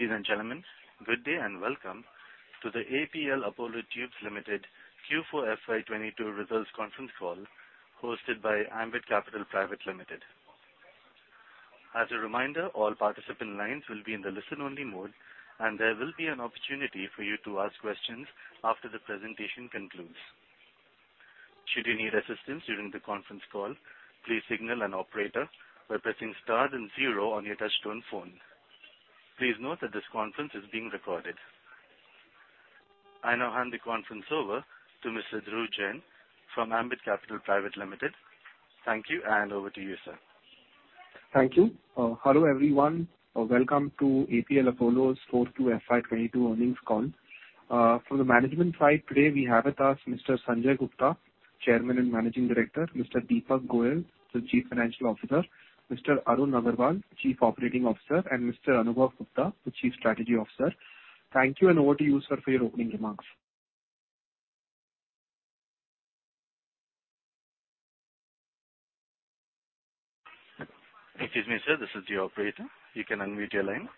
Ladies and gentlemen, good day and welcome to the APL Apollo Tubes Limited Q4 FY 2022 results conference call hosted by Ambit Capital Private Limited. As a reminder, all participant lines will be in the listen only mode, and there will be an opportunity for you to ask questions after the presentation concludes. Should you need assistance during the conference call, please signal an operator by pressing star then zero on your touchtone phone. Please note that this conference is being recorded. I now hand the conference over to Mr. Dhruv Jain from Ambit Capital Private Limited. Thank you, and over to you, sir. Thank you. Hello everyone. Welcome to APL Apollo's Q4 FY 2022 earnings call. From the management side today we have with us Mr. Sanjay Gupta, Chairman and Managing Director, Mr. Deepak Goyal, the Chief Financial Officer, Mr. Arun Agarwal, Chief Operating Officer, and Mr. Anubhav Gupta, the Chief Strategy Officer. Thank you, and over to you, sir, for your opening remarks. Excuse me, sir, this is the operator. You can unmute your line.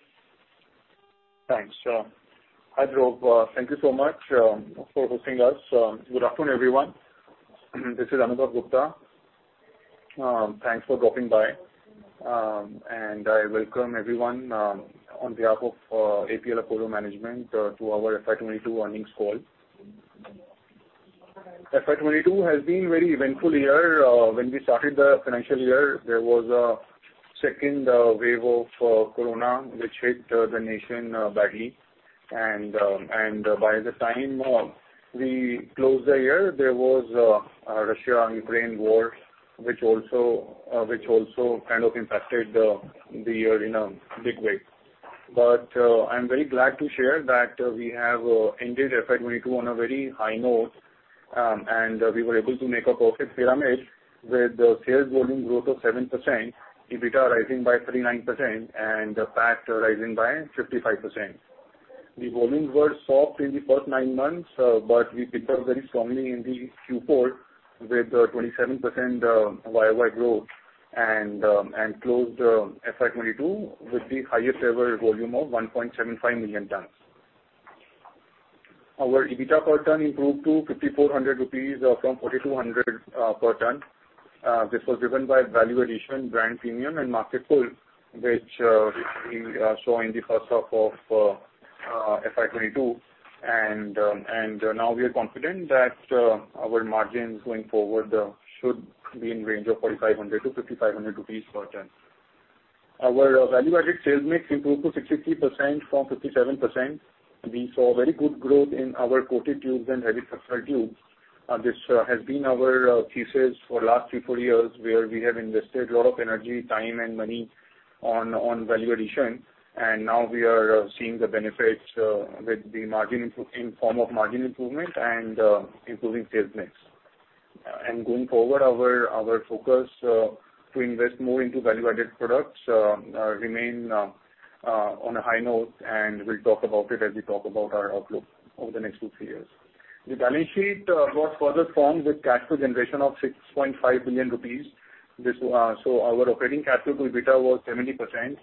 Thanks. Hi Dhruv. Thank you so much for hosting us. Good afternoon, everyone. This is Anubhav Gupta. Thanks for dropping by. I welcome everyone on behalf of APL Apollo management to our FY 2022 earnings call. FY 2022 has been very eventful year. When we started the financial year, there was a second wave of corona which hit the nation badly. By the time we closed the year, there was a Russia and Ukraine war, which also kind of impacted the year in a big way. I'm very glad to share that we have ended FY 2022 on a very high note, and we were able to make a perfect pyramid with sales volume growth of 7%, EBITDA rising by 39% and PAT rising by 55%. The volumes were soft in the first nine months, but we picked up very strongly in the Q4 with 27% YoY growth and closed FY 2022 with the highest ever volume of 1.75 million tons. Our EBITDA per ton improved to 5,400 rupees from 4,200 per ton. This was driven by value addition, brand premium, and market pull, which we saw in the first half of FY 2022. Now we are confident that our margins going forward should be in the range of 4,500-5,500 rupees per ton. Our value added sales mix improved to 63% from 57%. We saw very good growth in our coated tubes and heavy structural tubes. This has been our thesis for the last three, four years where we have invested a lot of energy, time and money on value addition, and now we are seeing the benefits with the margin improvement in the form of margin improvement and improving sales mix. Going forward, our focus to invest more into value-added products remain on a high note, and we'll talk about it as we talk about our outlook over the next two to three years. The balance sheet got further strong with cash flow generation of 6.5 billion rupees. This, our operating cash flow to EBITDA was 70%.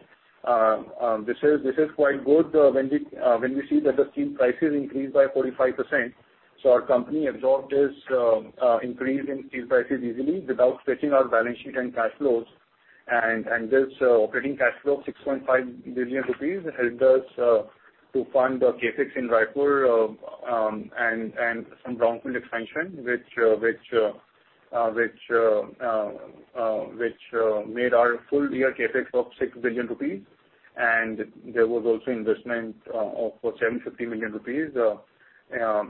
This is quite good when we see that the steel prices increased by 45%. Our company absorbed this increase in steel prices easily without stretching our balance sheet and cash flows. This operating cash flow of 6.5 billion rupees helped us to fund the CapEx in Raipur and some brownfield expansion, which made our full year CapEx of 6 billion rupees. There was also investment of 750 million rupees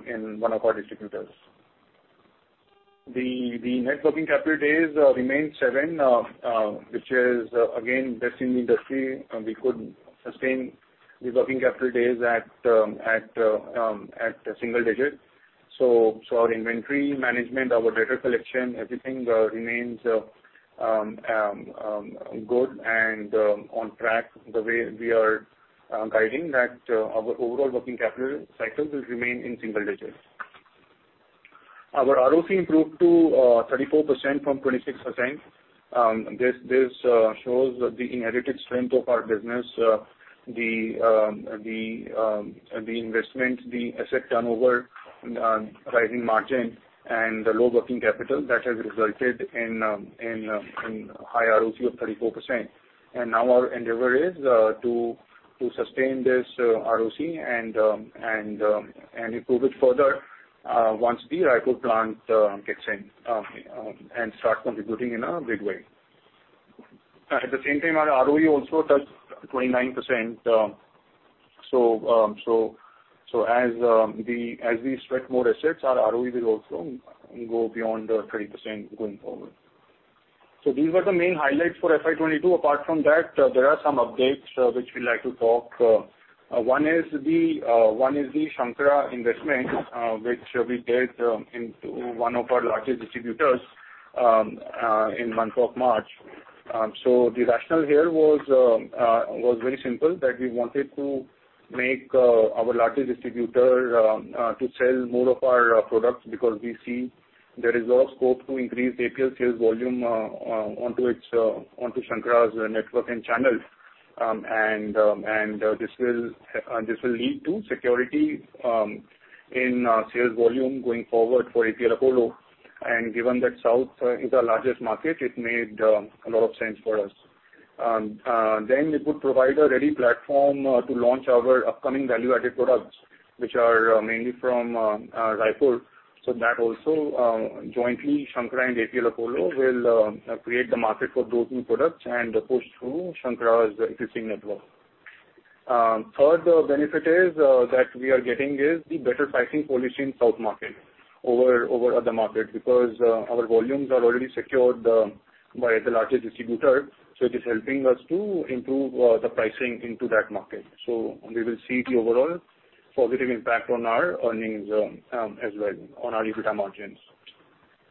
in one of our distributors. The net working capital days remained seven, which is again best in the industry, and we could sustain the working capital days at single digit. Our inventory management, our debtor collection, everything remains good and on track the way we are guiding that our overall working capital cycle will remain in single digits. Our ROC improved to 34% from 26%. This shows the inherited strength of our business. The investment, the asset turnover, rising margin and the low working capital that has resulted in high ROC of 34%. Our endeavor is to sustain this ROC and improve it further once the Raipur plant kicks in and starts contributing in a big way. At the same time, our ROE also touched 29%. As we sweat more assets, our ROE will also go beyond 20% going forward. These were the main highlights for FY 2022. Apart from that, there are some updates which we'd like to talk. One is the Shankara investment which we did into one of our largest distributors in month of March. The rationale here was very simple, that we wanted to make our largest distributor to sell more of our products because we see there is a scope to increase APL sales volume onto its Shankara's network and channels. This will lead to certainty in sales volume going forward for APL Apollo. Given that South is our largest market, it made a lot of sense for us. It would provide a ready platform to launch our upcoming value-added products, which are mainly from Raipur. That also, jointly Shankara and APL Apollo will create the market for those new products and push through Shankara's existing network. Third benefit is that we are getting is the better pricing policy in South market over other markets because our volumes are already secured by the largest distributor, so it is helping us to improve the pricing into that market. We will see the overall positive impact on our earnings as well on our EBITDA margins.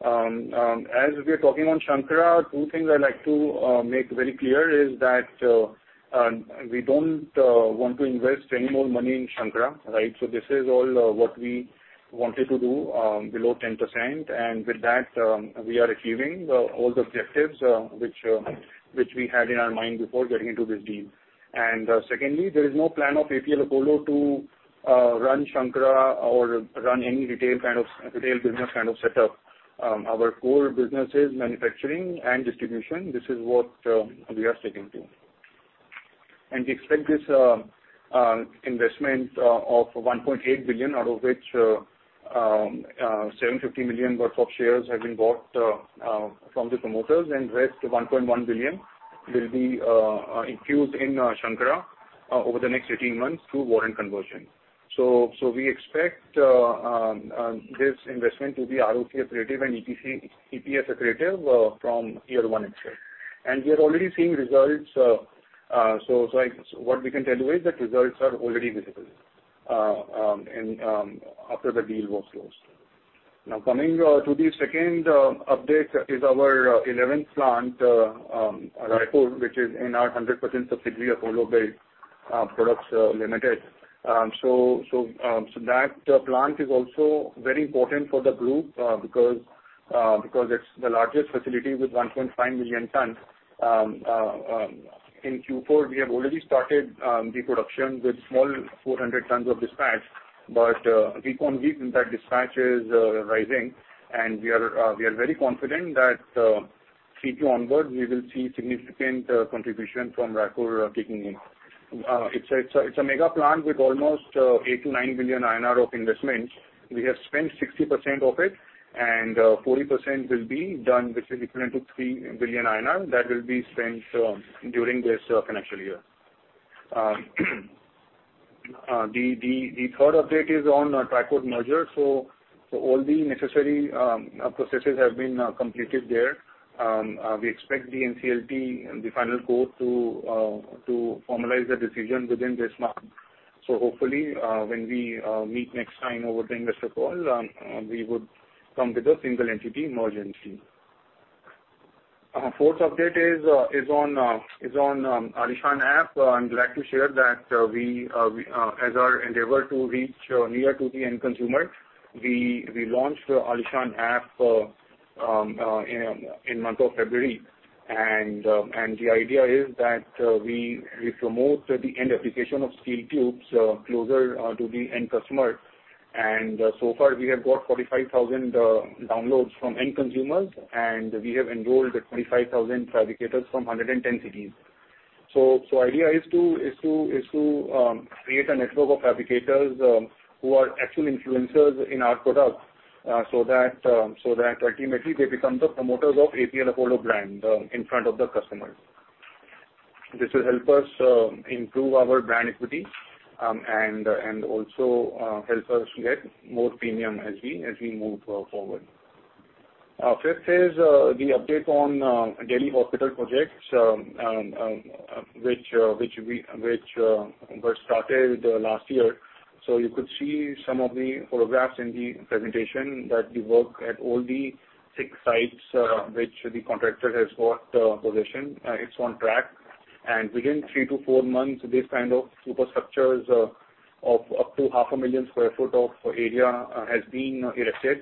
As we are talking on Shankara, two things I'd like to make very clear is that we don't want to invest any more money in Shankara, right? This is all what we wanted to do below 10%. With that, we are achieving all the objectives which we had in our mind before getting into this deal. Secondly, there is no plan of APL Apollo to run Shankara or run any retail business kind of setup. Our core business is manufacturing and distribution. This is what we are sticking to. We expect this investment of 1.8 billion out of which 750 million worth of shares have been bought from the promoters and rest 1.1 billion will be infused in Shankara over the next 18 months through warrant conversion. We expect this investment to be ROCE accretive and EBITDA and EPS accretive from year one itself. We are already seeing results. What we can tell you is that results are already visible after the deal was closed. Now coming to the second update is our eleventh plant, Raipur which is in our 100% subsidiary Apollo Pipes Ltd. So that plant is also very important for the group, because it's the largest facility with 1.5 million tons. In Q4, we have already started the production with small 400 tons of dispatch. Week-on-week in fact dispatches are rising, and we are very confident that Q2 onwards we will see significant contribution from Raipur kicking in. It's a mega plant with almost 8 billion-9 billion INR of investment. We have spent 60% of it and 40% will be done, which is equivalent to 3 billion INR that will be spent during this financial year. The third update is on Tricoat merger. All the necessary processes have been completed there. We expect the NCLT, the final court to formalize the decision within this month. Hopefully, when we meet next time over the investor call, we would come with a single entity merger team. Fourth update is on Aalishaan app. I'm glad to share that, as our endeavor to reach near to the end consumer, we launched the Aalishaan app in month of February. The idea is that we promote the end application of steel tubes closer to the end customer. So far we have got 45,000 downloads from end consumers, and we have enrolled 25,000 fabricators from 110 cities. Idea is to create a network of fabricators who are actual influencers in our products so that ultimately they become the promoters of APL Apollo brand in front of the customers. This will help us improve our brand equity and also help us get more premium as we move forward. Fifth is the update on Delhi hospital projects which were started last year. You could see some of the photographs in the presentation that the work at all the six sites, which the contractor has got possession, it's on track. Within three to four months, this kind of super structures of up to 0.5 million sq ft of area has been erected.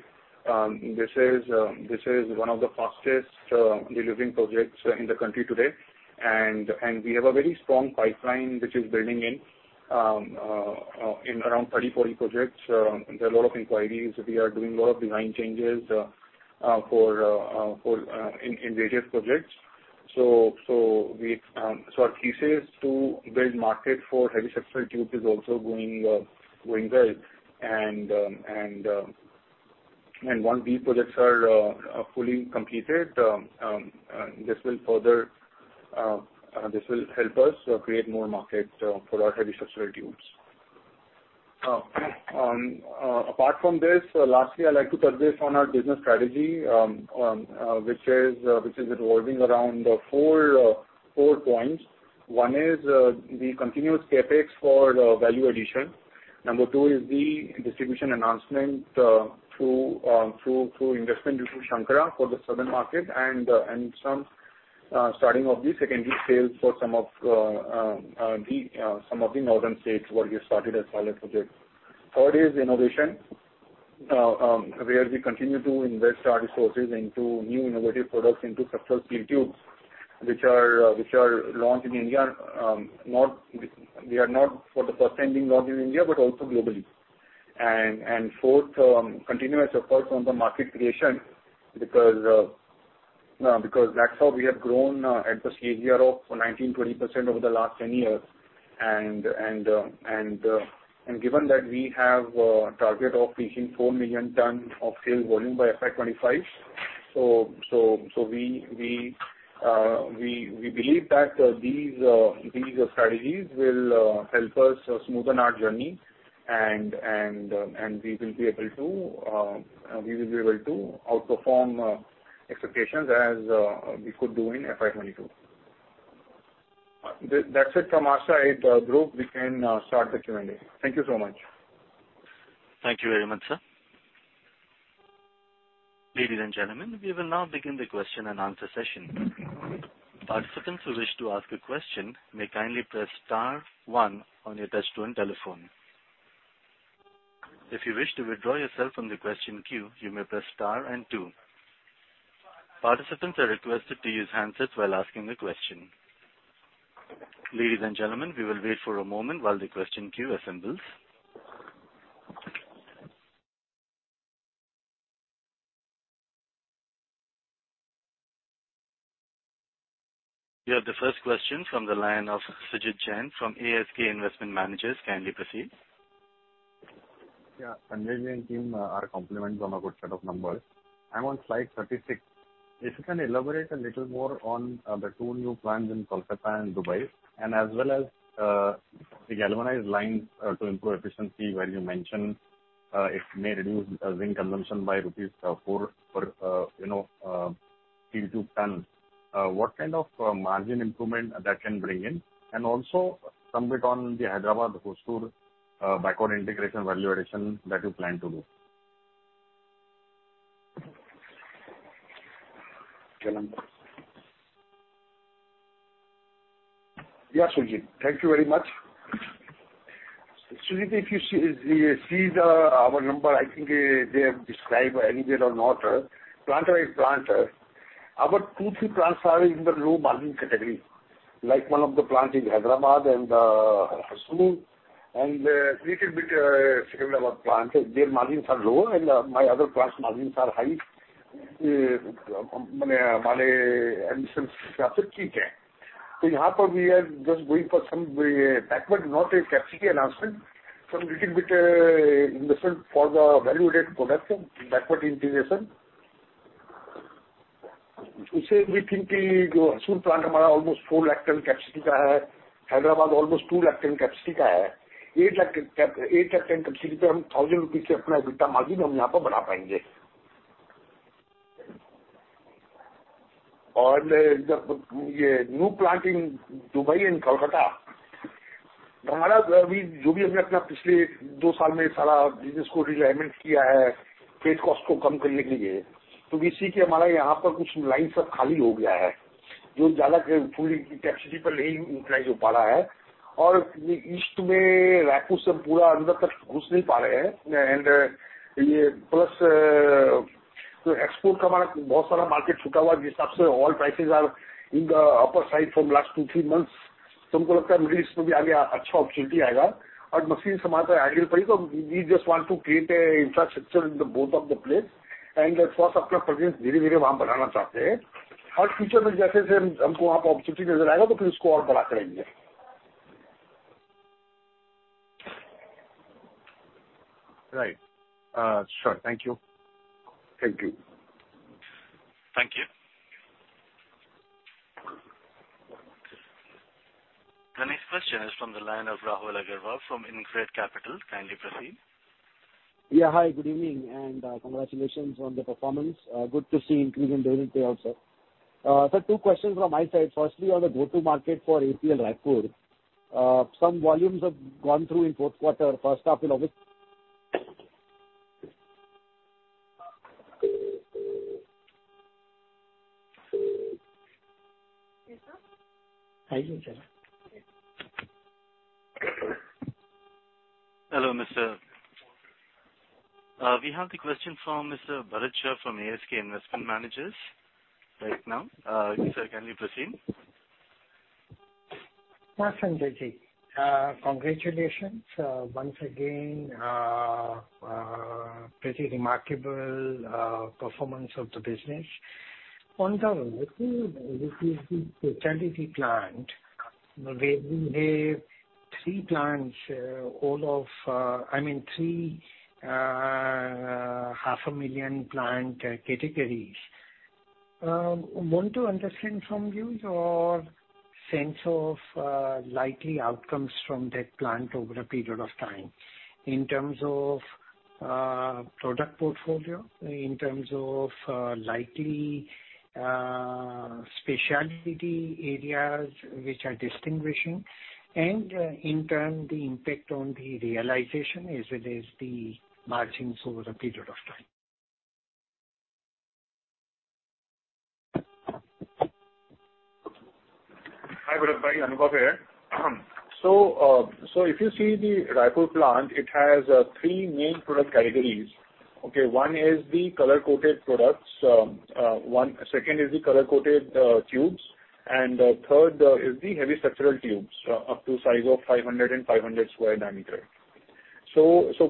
This is one of the fastest delivering projects in the country today. We have a very strong pipeline which is building in around 30-40 projects. There are a lot of inquiries. We are doing a lot of design changes for in various projects. Our PEB market for heavy structural tubes is also going well. Once these projects are fully completed, this will help us create more markets for our heavy structural tubes. Apart from this, lastly, I'd like to touch base on our business strategy, which is revolving around four points. One is the continuous CapEx for value addition. Number two is the distribution enhancement through investment into Shankara for the southern market and starting of the secondary sales for some of the northern states where we have started a pilot project. Third is innovation where we continue to invest our resources into new innovative products into structural steel tubes which are launched in India. They are not for the first time being launched in India but also globally. Fourth, continuous efforts on the market creation because that's how we have grown at the CAGR of 19%-20% over the last 10 years. Given that we have a target of reaching 4 million tons of sales volume by FY 2025, we believe that these strategies will help us smoothen our journey and we will be able to outperform expectations as we could do in FY 2022. That's it from our side, group. We can start the Q&A. Thank you so much. Thank you very much, sir. Ladies and gentlemen, we will now begin the question and answer session. Participants who wish to ask a question may kindly press star one on your touchtone telephone. If you wish to withdraw yourself from the question queue, you may press star and two. Participants are requested to use handsets while asking the question. Ladies and gentlemen, we will wait for a moment while the question queue assembles. We have the first question from the line of Sumit Jain from ASK Investment Managers. Kindly proceed. Yeah. Sanjay ji and team, our compliments on a good set of numbers. I'm on slide 36. If you can elaborate a little more on the two new plants in Kolkata and Dubai, and as well as the galvanized lines to improve efficiency, where you mentioned it may reduce zinc consumption by rupees 4 per you know steel tube ton. What kind of margin improvement that can bring in? Some bit on the Hyderabad, Hosur backward integration value addition that you plan to do. Yes, Sumit. Thank you very much. Sumit, if you see the our number, I think they have described anywhere or not, plant-wide plant, our two, three plants are in the low margin category. Like one of the plant in Hyderabad and Hosur, and a little bit similar plants, their margins are lower and our other plants margins are high. We are just going for some way backward, not a CapEx announcement, some little bit investment for the value-added product, backward integration. Hyderabad almost 2 lakh ton capacity new plant in Dubai and Kolkata. We just want to create a infrastructure in the both of the place and first up our presence and future opportunity. Right. Sure. Thank you. Thank you. Thank you. The next question is from the line of Rahul Agarwal from InCred Capital. Kindly proceed. Yeah. Hi, good evening and, congratulations on the performance. Good to see increase in dividend payout, sir. Two questions from my side. Firstly, on the go-to-market for APL Raipur. Some volumes have gone through in fourth quarter, first half year of it. Hello, mister. We have the question from Mr. Bharat Shah from ASK Investment Managers right now. Yes, sir. Kindly proceed. Sanjay ji. Congratulations. Once again, pretty remarkable performance of the business. On the specialty plant, where you have three plants, all of, I mean three 500,000 million plant categories. Want to understand from you your sense of likely outcomes from that plant over a period of time in terms of product portfolio, in terms of likely specialty areas which are distinguishing, and in turn the impact on the realization as well as the margins over a period of time. Hi, Anubhav here. If you see the Raipur plant, it has three main product categories, okay. One is the color-coated products. Second is the color-coated tubes, and third is the heavy structural tubes up to size of 500 and 500 square diameter.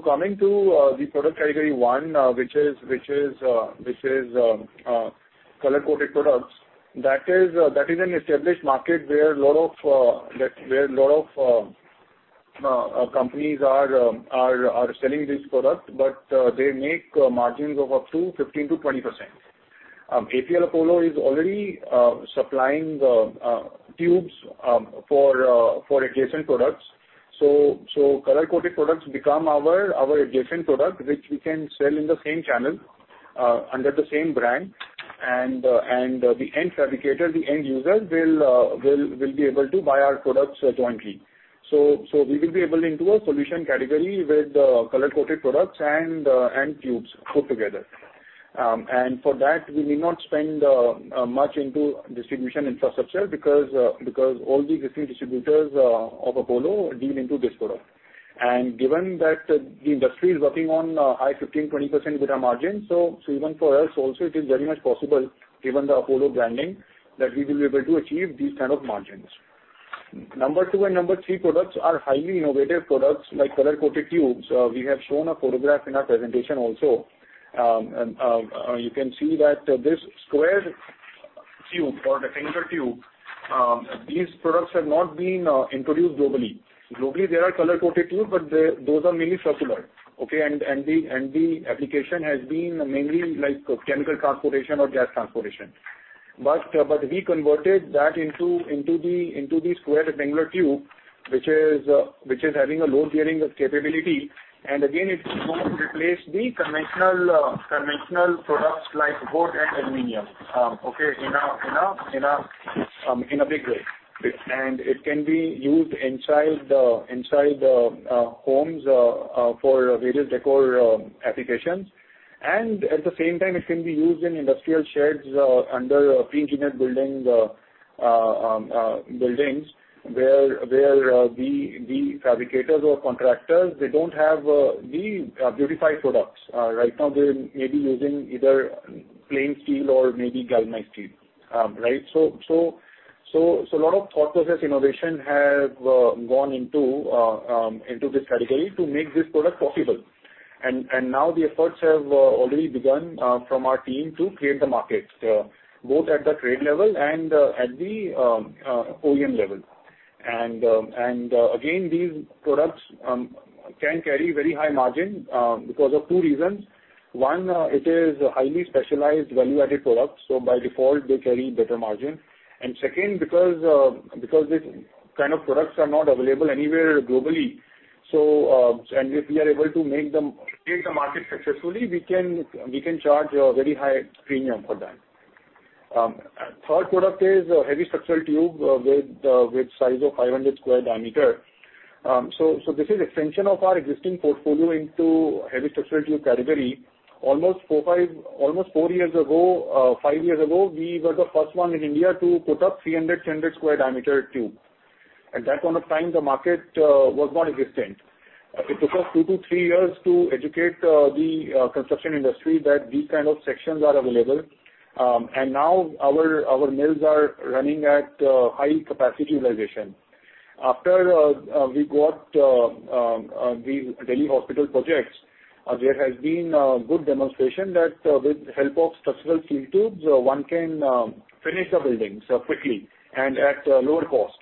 Coming to the product category one, which is color-coated products. That is an established market where lot of companies are selling this product, but they make margins of up to 15%-20%. APL Apollo is already supplying the tubes for adjacent products. Color-coated products become our adjacent product, which we can sell in the same channel under the same brand. The end fabricator, the end user will be able to buy our products jointly. We will be able into a solution category with the color-coated products and tubes put together. For that, we need not spend much into distribution infrastructure because all the existing distributors of Apollo deal into this product. Given that the industry is working on high 15%-20% better margins, even for us also it is very much possible given the Apollo branding, that we will be able to achieve these kind of margins. Number two and number three products are highly innovative products like color-coated tubes. We have shown a photograph in our presentation also. You can see that this square tube or the rectangular tube, these products have not been introduced globally. Globally, there are color-coated tubes, but those are mainly circular, okay? The application has been mainly like chemical transportation or gas transportation. We converted that into the square rectangular tube, which is having a load-bearing capability. Again, it's going to replace the conventional products like wood and aluminum, okay, in a big way. It can be used inside the homes for various decor applications. At the same time it can be used in industrial sheds, under pre-engineered buildings, where the fabricators or contractors, they don't have the beautified products. Right now they're maybe using either plain steel or maybe galvanized steel. Right. Lot of thought process innovation have gone into this category to make this product possible. Now the efforts have already begun from our team to create the markets both at the trade level and at the OEM level. Again, these products can carry very high margin because of two reasons. One, it is a highly specialized value-added product, so by default they carry better margin. Because these kind of products are not available anywhere globally, and if we are able to make them fit the market successfully, we can charge a very high premium for that. Third product is a heavy structural tube with size of 500 square diameter. This is extension of our existing portfolio into heavy structural tube category. Almost five years ago, we were the first one in India to put up 300 square diameter tube. At that point of time, the market was not existent. It took us two to three years to educate the construction industry that these kind of sections are available. Now our mills are running at high capacity utilization. After we got the Delhi hospital projects, there has been a good demonstration that with help of structural steel tubes, one can finish the buildings quickly and at a lower cost.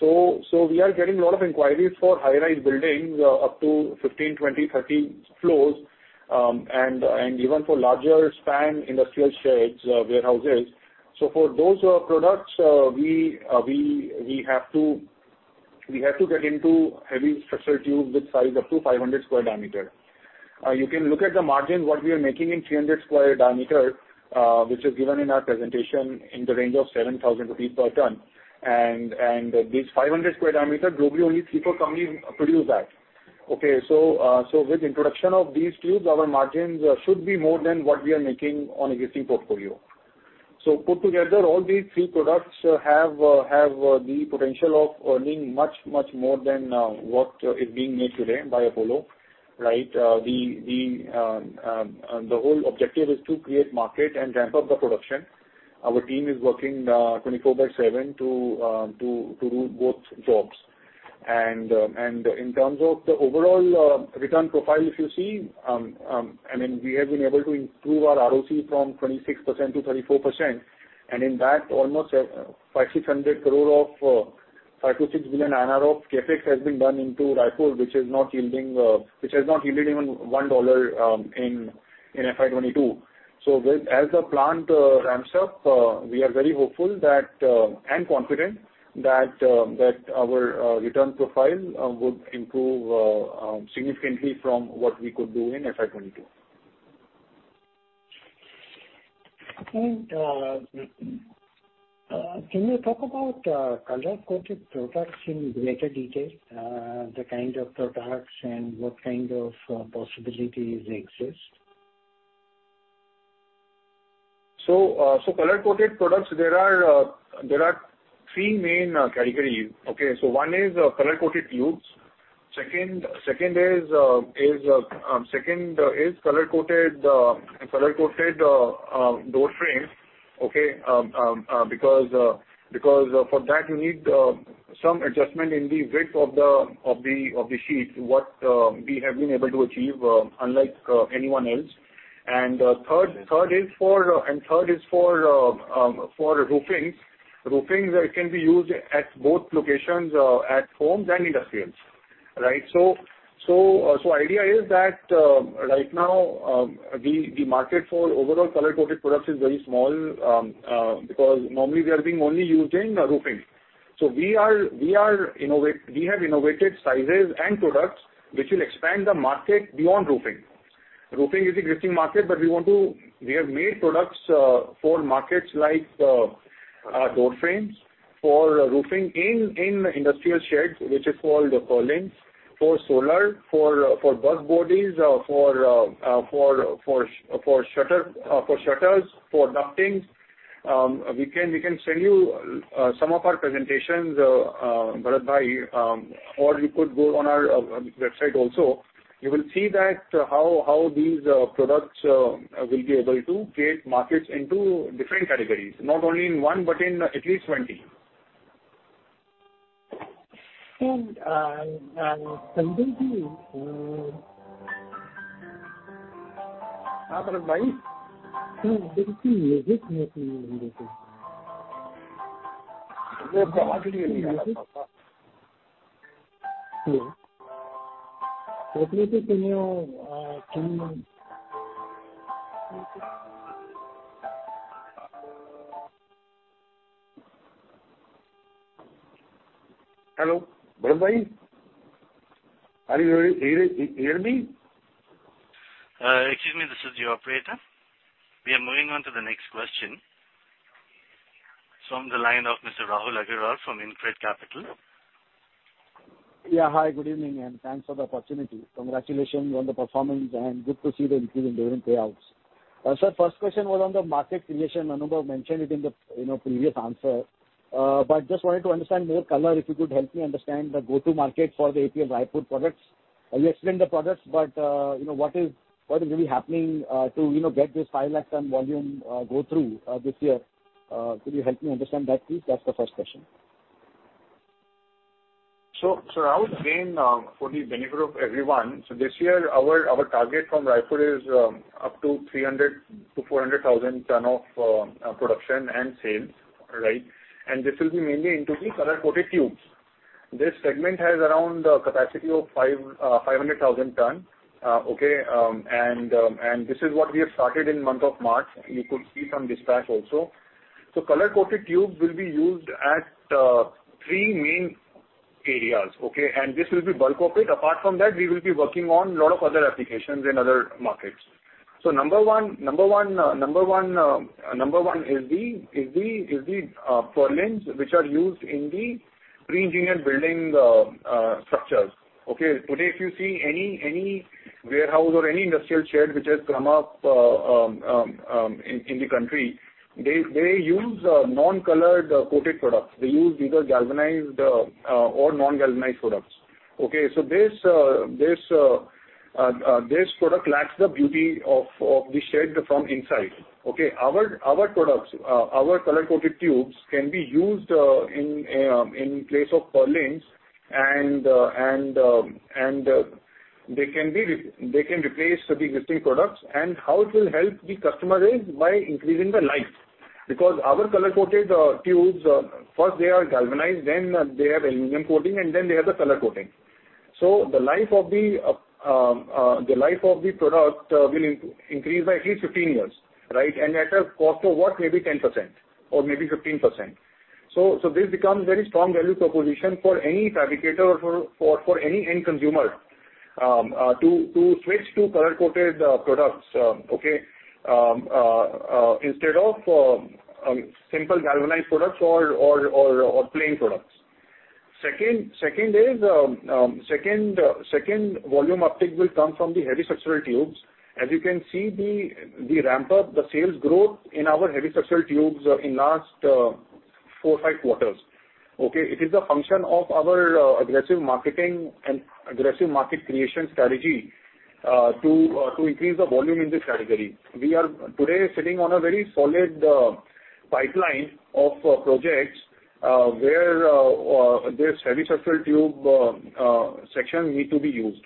We are getting a lot of inquiries for high-rise buildings up to 15, 20, 30 floors, and even for larger span industrial sheds, warehouses. For those products, we have to get into heavy structural tube with size up to 500 square diameter. You can look at the margin, what we are making in 300 square diameter, which is given in our presentation in the range of 7,000 rupees per ton. This 500 square diameter, globally only three, four companies produce that. With introduction of these tubes, our margins should be more than what we are making on existing portfolio. Put together, all these three products have the potential of earning much, much more than what is being made today by Apollo, right? The whole objective is to create market and ramp up the production. Our team is working 24/7 to do both jobs. In terms of the overall return profile, if you see, I mean, we have been able to improve our ROC from 26% to 34%. In that almost 500-600 crore of 5 billion-6 billion INR of CapEx has been done into Raipur, which has not yielded even one dollar in FY 2022. As the plant ramps up, we are very hopeful and confident that our return profile would improve significantly from what we could do in FY 2022. Can you talk about color-coated products in greater detail, the kind of products and what kind of possibilities exist? Color-coated products there are three main categories. Okay, one is color-coated tubes. Second is color-coated door frames. Okay, because for that you need some adjustment in the width of the sheets, what we have been able to achieve, unlike anyone else. Third is for roofing. Roofing can be used at both locations, at homes and industrials. Right? Idea is that right now the market for overall color-coated products is very small because normally they are being only used in roofing. We have innovated sizes and products which will expand the market beyond roofing. Roofing is an existing market, but we want to. We have made products for markets like door frames, for roofing in industrial sheds, which is called the purlins, for solar, for bus bodies, for shutters, for ductings. We can send you some of our presentations, Bharat bhai, or you could go on our website also. You will see how these products will be able to create markets into different categories, not only in one, but in at least 20. And, uh, uh, Sanjay ji, uh Haan Bharat bhai. Sanjay ji, you hear me Sanjay ji? No, awaaz nahi aa rahi hai Bharat bhai. Hello. That's why I was saying. Hello, Bharat bhai. Are you hearing me? Excuse me. This is the operator. We are moving on to the next question from the line of Mr. Rahul Agarwal from InCred Capital. Yeah. Hi, good evening, and thanks for the opportunity. Congratulations on the performance, and good to see the increase in dividend payouts. Sir, first question was on the market creation. Manubhai mentioned it in the, you know, previous answer. Just wanted to understand more color, if you could help me understand the go-to market for the APL Raipur products. You explained the products, but, you know, what is really happening, to, you know, get this 5 lakh ton volume, go through, this year? Could you help me understand that, please? That's the first question. I would say, for the benefit of everyone, this year our target from Raipur is up to 300,000-400,000 tons of production and sales, right? This will be mainly into the color-coated tubes. This segment has around a capacity of 500,000 tons. Okay, this is what we have started in month of March. You could see some dispatch also. Color-coated tubes will be used at three main areas, okay? This will be bulk of it. Apart from that, we will be working on lot of other applications in other markets. Number one is the purlins which are used in the pre-engineered building structures. Okay? Today, if you see any warehouse or any industrial shed which has come up in the country, they use non-color-coated products. They use either galvanized or non-galvanized products. Okay? This product lacks the beauty of the shed from inside. Okay? Our products, our color-coated tubes can be used in place of purlins and they can replace the existing products. How it will help the customer is by increasing the life. Because our color-coated tubes first they are galvanized, then they have aluminum coating, and then they have the color coating. The life of the product will increase by at least 15 years, right? At a cost of what may be 10% or may be 15%. This becomes very strong value proposition for any fabricator or for any end consumer to switch to color-coated products, okay, instead of simple galvanized products or plain products. Second volume uptick will come from the heavy structural tubes. As you can see the ramp up, the sales growth in our heavy structural tubes in last four, five quarters. Okay. It is a function of our aggressive marketing and aggressive market creation strategy to increase the volume in this category. We are today sitting on a very solid pipeline of projects where this heavy structural tube section need to be used.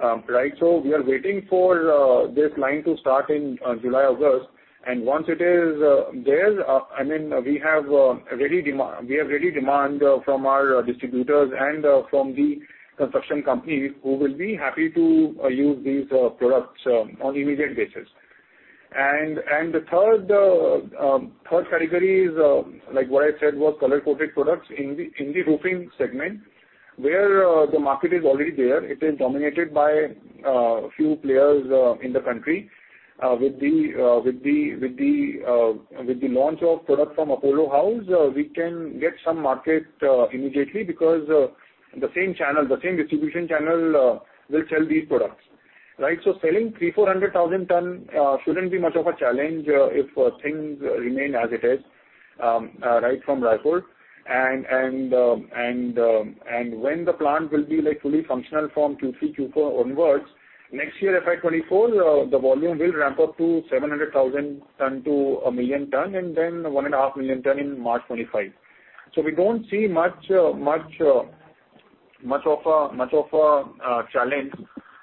Right? We are waiting for this line to start in July, August. Once it is there, I mean, we have ready demand from our distributors and from the construction companies who will be happy to use these products on immediate basis. The third category is like what I said was color-coated products in the roofing segment. Where the market is already there, it is dominated by few players in the country. With the launch of product from Apollo House, we can get some market immediately because the same distribution channel will sell these products, right? Selling 300,000-400,000 tons shouldn't be much of a challenge if things remain as it is right from Raipur. When the plant will be fully functional from Q3, Q4 onwards next year, FY 2024, the volume will ramp up to 700,000 tons-1 million tons and then 1.5 million tons in March 2025. We don't see much of a challenge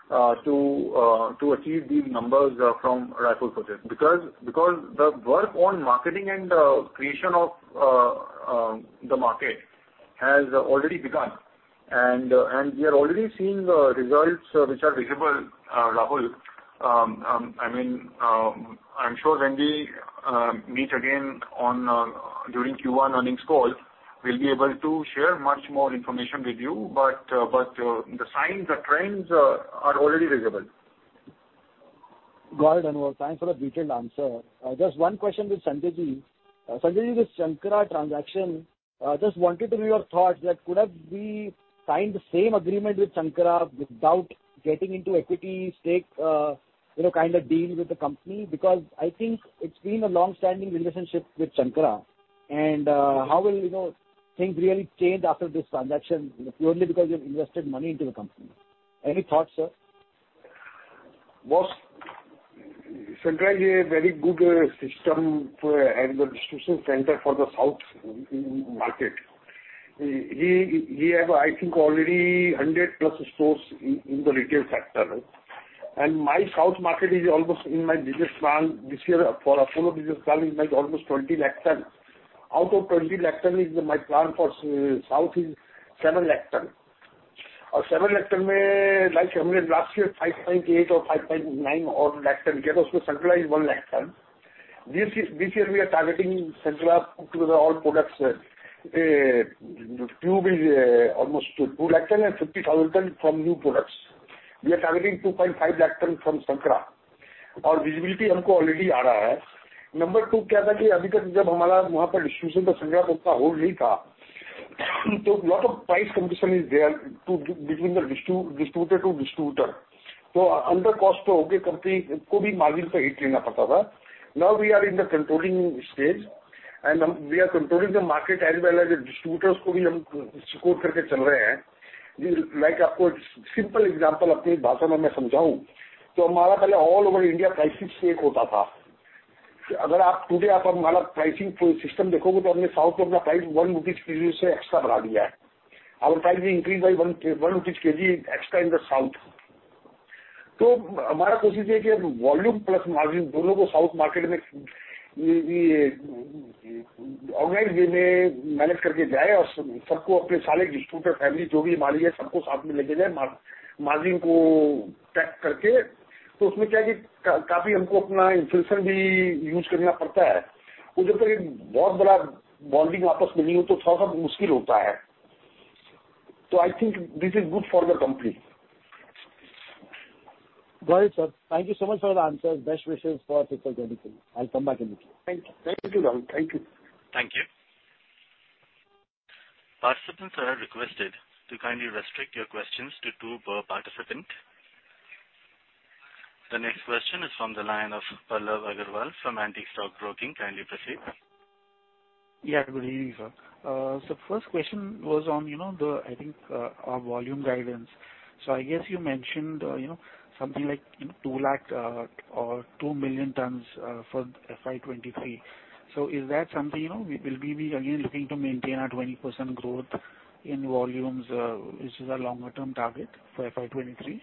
to achieve these numbers from Raipur project. Because the work on marketing and creation of the market has already begun. We are already seeing the results which are visible, Rahul. I mean, I'm sure when we meet again during Q1 earnings call, we'll be able to share much more information with you. The signs, the trends are already visible. Got it, Anubhav. Thanks for the detailed answer. Just one question with Sanjay ji. Sanjay, this Shankara transaction, just wanted to know your thoughts that could have we signed the same agreement with Shankara without getting into equity stake, you know, kind of deal with the company? Because I think it's been a long-standing relationship with Shankara. How will, you know, things really change after this transaction purely because you've invested money into the company? Any thoughts, sir? Boss, Shankara is a very good system for and the distribution center for the south market. He have, I think, already 100+ stores in the retail sector. My south market is almost in my business plan this year for Apollo Business Plan is like almost 20 lakh tons. Out of 20 lakh tons is my plan for south is 7 lakh tons. 7 lakh tons like last year 5.8 or 5.9 odd lakh tons came, out of that Shankara is 1 lakh ton. This year we are targeting Shankara to put all products. Tube is almost 2 lakh tons and 50,000 tons from new products. We are targeting 2.5 lakh tons from Shankara. Our visibility. Now we are in the controlling stage, and we are controlling the market as well as the distributors. Like a simple example. I think this is good for the company. Got it, sir. Thank you so much for the answers. Best wishes for fiscal 2023. I'll come back in the queue. Thank you, Rahul. Thank you. Thank you. Participants are requested to kindly restrict your questions to two per participant. The next question is from the line of Pallav Agarwal from Antique Stock Broking. Kindly proceed. Yeah, good evening, sir. First question was on, you know, the, I think, our volume guidance. I guess you mentioned, you know, something like 2 lakh or 2 million tons for FY 2023. Is that something, you know, we will be again looking to maintain our 20% growth in volumes, which is our longer term target for FY 2023? Pallav,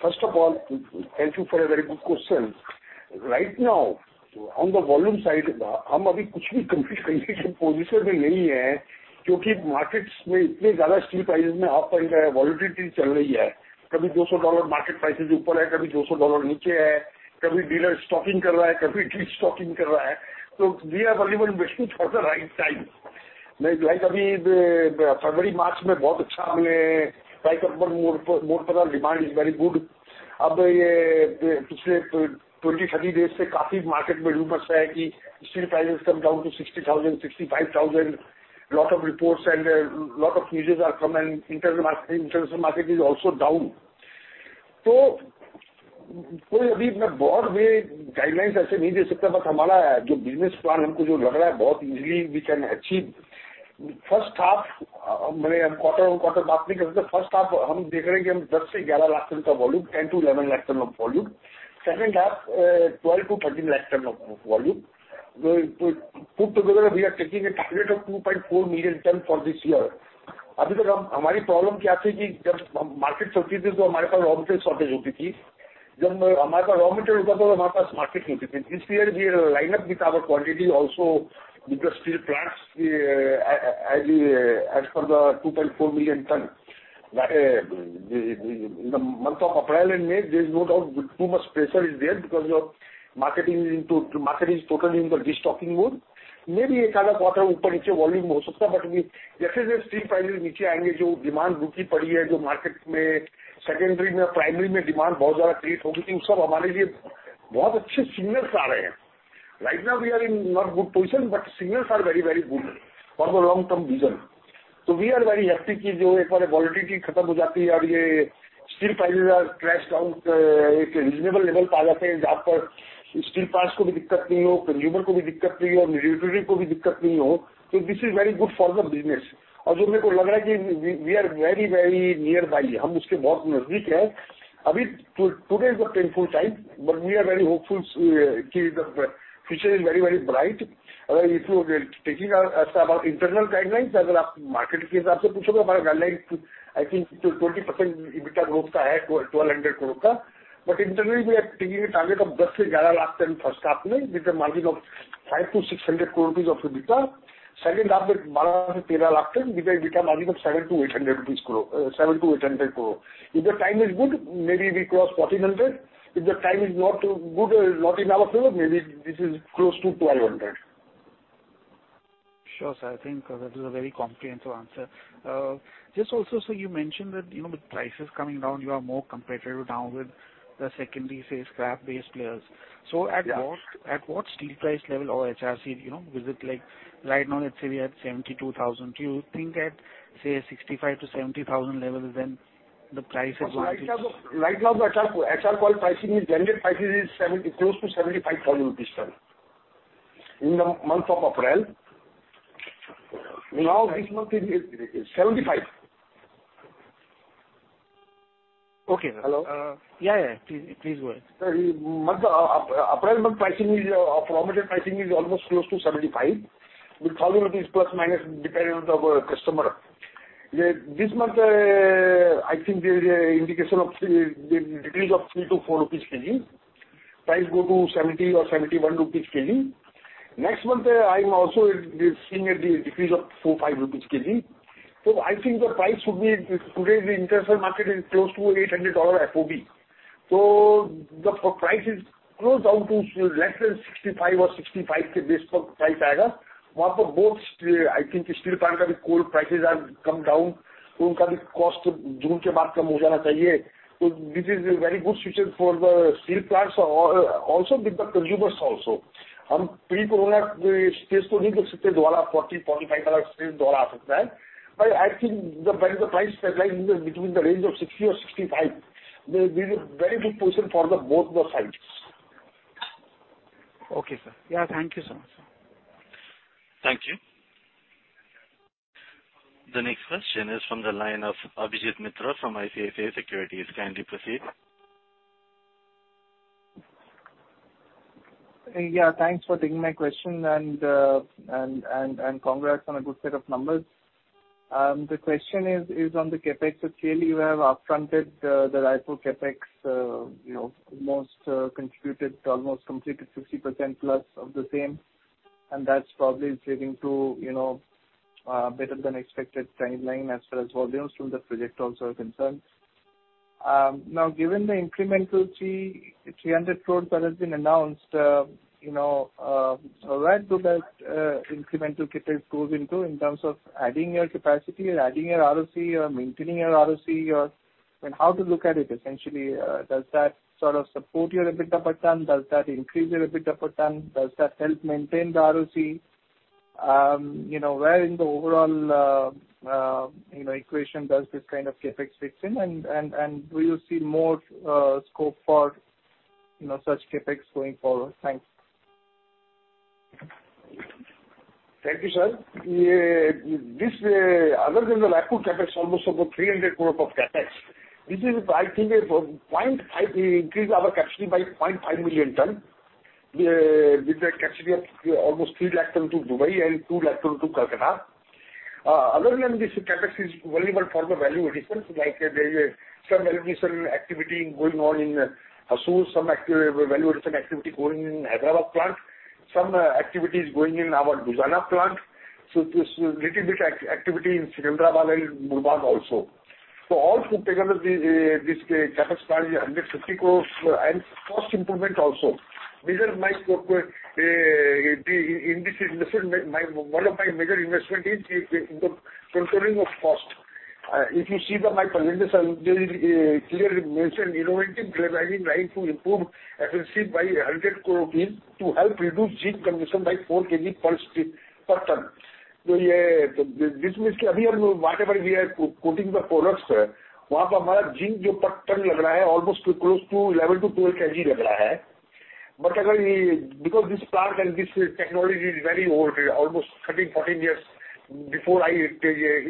first of all, thank you for a very good question. Right now, on the volume side, given market steel prices volatility $200 market prices $200. So we are only waiting for the right time. February, March demand is very good. 20-30 days steel prices come down to 60,000-65,000. Lot of reports and lot of news are come and international market is also down. Guidance business plan very easily we can achieve. First half 10-11 lakh tons of volume. Second half 12-13 lakh tons of volume. Put together, we are taking a target of 2.4 million tons for this year. Market raw material shortage raw material market. This year we are lined up with our quantity also because steel plants, as per the 2.4 million tons. The month of April and May, there's no doubt too much pressure is there because the market is totally into the destocking mode. Maybe ek aadha quarter upar niche volume ho sakta hai, but we jaise jaise steel prices niche aayenge jo demand rukhi padi hai jo market mein secondary mein primary mein demand bahot zyada create hogi. Woh sab hamare liye bahot achhe signals aa rahe hai. Right now we are in not good position, but signals are very, very good for the long-term vision. We are very happy ki jo ek baar volatility khatam ho jaati hai aur ye steel prices are crashed down, ek reasonable level paa lete hai jahan par steel plants ko bhi dikkat nahi ho, consumer ko bhi dikkat nahi ho, and distributor ko bhi dikkat nahi ho. This is very good for the business. Aur jo mereko lag raha hai ki we are very nearby. Hum uske bahot nazdik hai. Today is a painful time, but we are very hopeful ki the future is very bright. If you are taking our internal guidelines, agar aap market ke hisab se puchoge, hamara guideline I think 20% EBITDA growth ka hai, INR 1,200 crore ka. But internally we are taking a target of 10 se zyada lakh tons first half mein with a margin of 500-600 crore of EBITDA. Second half mein 12 se 13 lakh tons with a margin of 700-800 crore. If the time is good, maybe we cross 1,400. If the time is not good or not in our favor, maybe this is close to 1,200. Sure, sir. I think that is a very comprehensive answer. Just also, you mentioned that, you know, with prices coming down, you are more competitive now with the secondary, say, scrap-based players. Yeah. At what steel price level or HRC, you know, is it like right now let's say we're at 72,000. Do you think at, say, 65,000-70,000 level, then the price is going to- Right now the HR coil pricing is standard pricing close to 75,000 rupees, sir, in the month of April. Now this month is 75,000. Okay. Hello? Yeah. Please go ahead. Sir, month of April month pricing is, raw material pricing is almost close to 75,000 rupees plus minus depending on the customer. Yeah, this month, I think there is an indication of the decrease of 3-4 INR/kg. Price go to 70 or 71 INR/kg. Next month, I'm also seeing a decrease of 4-5 INR/kg. I think the price should be, today the international market is close to $800 FOB. The price is close down to less than 65 or 65 ke base per price aayega. Wahan pe I think steel plant ka bhi coal prices have come down. Unka bhi cost June ke baad kam ho jana chahiye. This is a very good situation for the steel plants or also with the consumers also. Hum pre-corona stage ko nahi dekh sakte. Dobara 40-45 wala stage dobara aa sakta hai. I think the when the price stabilize in between the range of 60 or 65, there will be a very good position for both the sides. Okay, sir. Yeah, thank you so much, sir. Thank you. The next question is from the line of Abhijit Mitra from ICICI Securities. Kindly proceed. Yeah, thanks for taking my question and congrats on a good set of numbers. The question is on the CapEx. Clearly you have upfronted the Raipur CapEx, contributed almost completed 60% plus of the same, and that's probably leading to better than expected timeline as well as volumes from the project also are concerned. Now given the incremental 300 crores that has been announced, where does that incremental CapEx go into in terms of adding your capacity or adding your ROC or maintaining your ROC or, I mean, how to look at it essentially? Does that sort of support your EBITDA per ton? Does that increase your EBITDA per ton? Does that help maintain the ROC? You know, where in the overall, you know, equation does this kind of CapEx fit in and will you see more scope for, you know, such CapEx going forward? Thanks. Thank you, sir. Yeah, this other than the Raipur CapEx, almost about 300 crore of CapEx. This is I think a 0.5 increase our capacity by 0.5 million tons. With a capacity of almost 300,000 tons to Dubai and 200,000 tons to Kolkata. Other than this CapEx is only for the value additions, like, there is some value addition activity going on in Hosur, some value addition activity going in Hyderabad plant. Some activities going in our Bhusawal plant. This little bit activity in Secunderabad and Murbad also. All together the this CapEx part is INR 150 crore and cost improvement also. These are my the in this investment my one of my major investment is in the controlling of cost. If you see my presentation, there is clearly mentioned innovative galvanizing line to improve efficiency by 100 crore to help reduce zinc consumption by 4 kg per ton. This means ki abhi hum log whatever we are coating the products hai, wahan pe hamara zinc jo per ton lag raha hai almost close to 11 kg-12 kg lag raha hai. Again, because this plant and this technology is very old, almost 13-14 years before I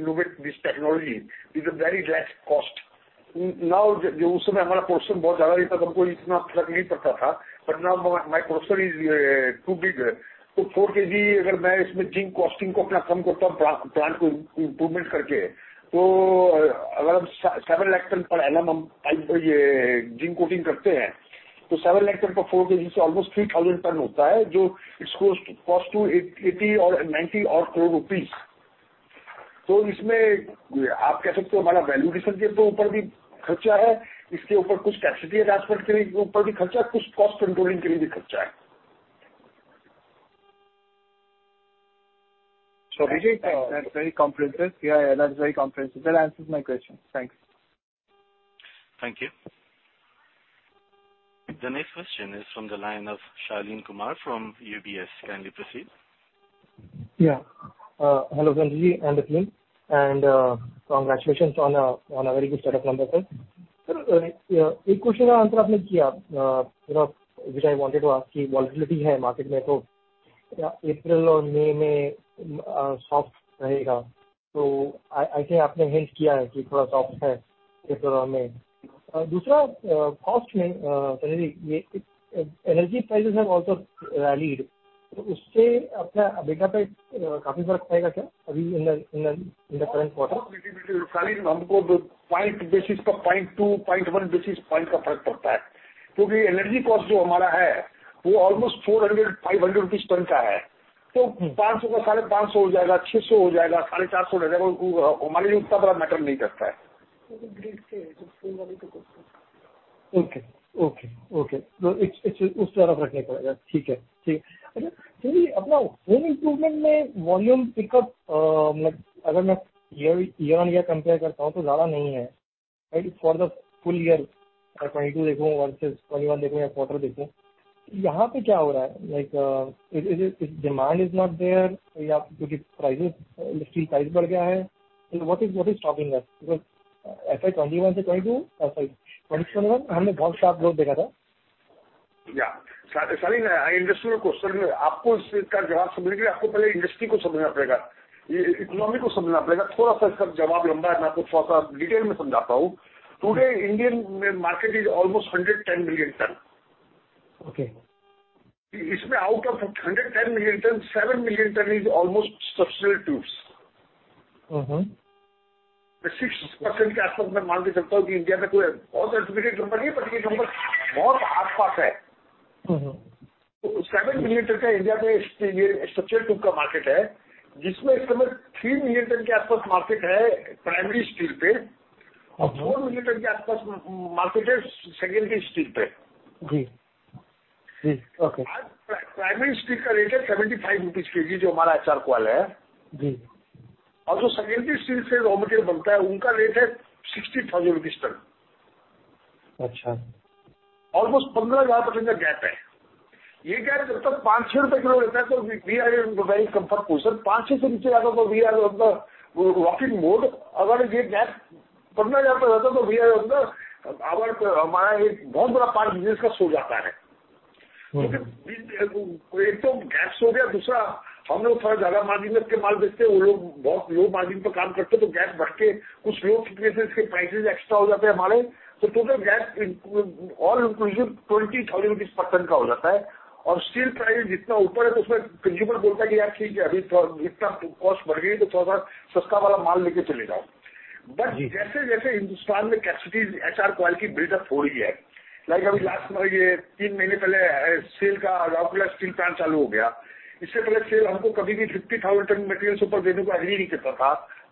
innovate this technology with a very less cost. Now, jo us time hamara portion bahot zyada rehta tha, humko itna fark nahi padta tha. Now my portion is too big. Toh 4 kg agar main isme zinc costing ko apna kam karta hoon plant ko improvement karke. Agar hum 7 lakh ton per annum hum is zinc coating karte hai, 7 lakh ton per 4 kg se almost 3,000 ton hota hai jo its cost costs to INR 80 crore or INR 90 crore odd rupees. Toh ismein aap kah sakte ho hamara valuation ke upar bhi kharcha hai. Iske upar kuch capacity enhancement ke upar bhi kharcha, kuch cost controlling ke liye bhi kharcha hai. Abhishek that's very comprehensive. That answers my question. Thanks. Thank you. The next question is from the line of Shaleen Kumar from UBS. Kindly proceed. Yeah. Hello Sanjay ji and Akhil and congratulations on a very good set of numbers sir. Sir ek question ka uttar aapne diya which I wanted to ask ki volatility hai market mein to April aur May mein soft rahega. To I think aapne hint kiya hai ki thoda soft hai April aur May. Doosra cost mein Sanjay ji energy prices have also rallied to usse apna EBITDA pe kaafi fark padega sir abhi in the current quarter. नहीं नहीं नहीं Shailen, हमको point basis पर 0.2, 0.1 basis point का फर्क पड़ता है क्योंकि energy cost जो हमारा है वो almost ₹400, ₹500 per ton का है तो ₹500 का ₹550 हो जाएगा, ₹600 हो जाएगा, ₹450 हो जाएगा। वो हमारे लिए उतना बड़ा matter नहीं करता है। Okay तो उस तरफ रखने का है। ठीक है। Sanjay ji अपना home improvement में volume pickup अगर मैं year-on-year compare करता हूं तो ज्यादा नहीं है। For the full year 2022 देखूं versus 2021 देखूं या quarter देखूं। यहां पे क्या हो रहा है? Like demand is not there या क्योंकि prices steel price बढ़ गया है। What is stopping us? Because FY 2021 से 2022, sorry 2021 में हमने बहुत sharp growth देखा था। Shaleen, industrial question है। आपको इसका जवाब समझने के लिए आपको पहले industry को समझना पड़ेगा। Economy को समझना पड़ेगा। थोड़ा सा इसका जवाब लंबा है। मैं आपको थोड़ा सा detail में समझाता हूं। Today Indian market is almost 110 million ton. Okay. इसमें out of 110 million tons, 7 million tons is almost structural tubes. 6% के आसपास मैं मान के चलता हूं कि India में कोई बहुत accurate number नहीं है, but ये number बहुत आसपास है। 7 million tons का India में structural tube का market है, जिसमें इस समय 3 million tons के आसपास market है primary steel पे और 4 million tons के आसपास market है secondary steel पे। जी, जी, okay. Today primary steel का rate है INR 75/kg, जो हमारा HR coil है. जी। जो secondary steel से raw material बनता है, उनका rate है INR 60,000 ton. अच्छा। Almost 15,000 का gap है। ये gap जब तक INR 500 kg रहता है तो we are in a very comfortable position. 500 से नीचे जाता है तो we are in the working mode. अगर ये gap ₹15,000 तक जाता है तो हमारा एक बहुत बड़ा part business का सो जाता है। एक तो gap सो गया। दूसरा हम लोग थोड़ा ज्यादा margin करके माल बेचते हैं। वो लोग बहुत low margin पे काम करते हैं तो gap बढ़ के कुछ places के prices extra हो जाते हैं हमारे। तो total gap all inclusive ₹20,000 per ton का हो जाता है और steel price जितना ऊपर है उसमें consumer बोलता है कि यार ठीक है, अभी तो इतना cost बढ़ गई तो थोड़ा सस्ता वाला माल लेकर चले जाओ। जैसे-जैसे Hindustan में capacities HR coil की build up हो रही है, like अभी last तीन महीने पहले SAIL का Rourkela steel plant चालू हो गया। इससे पहले SAIL हमको कभी भी 50,000 ton material से ऊपर देने को agree नहीं करता था।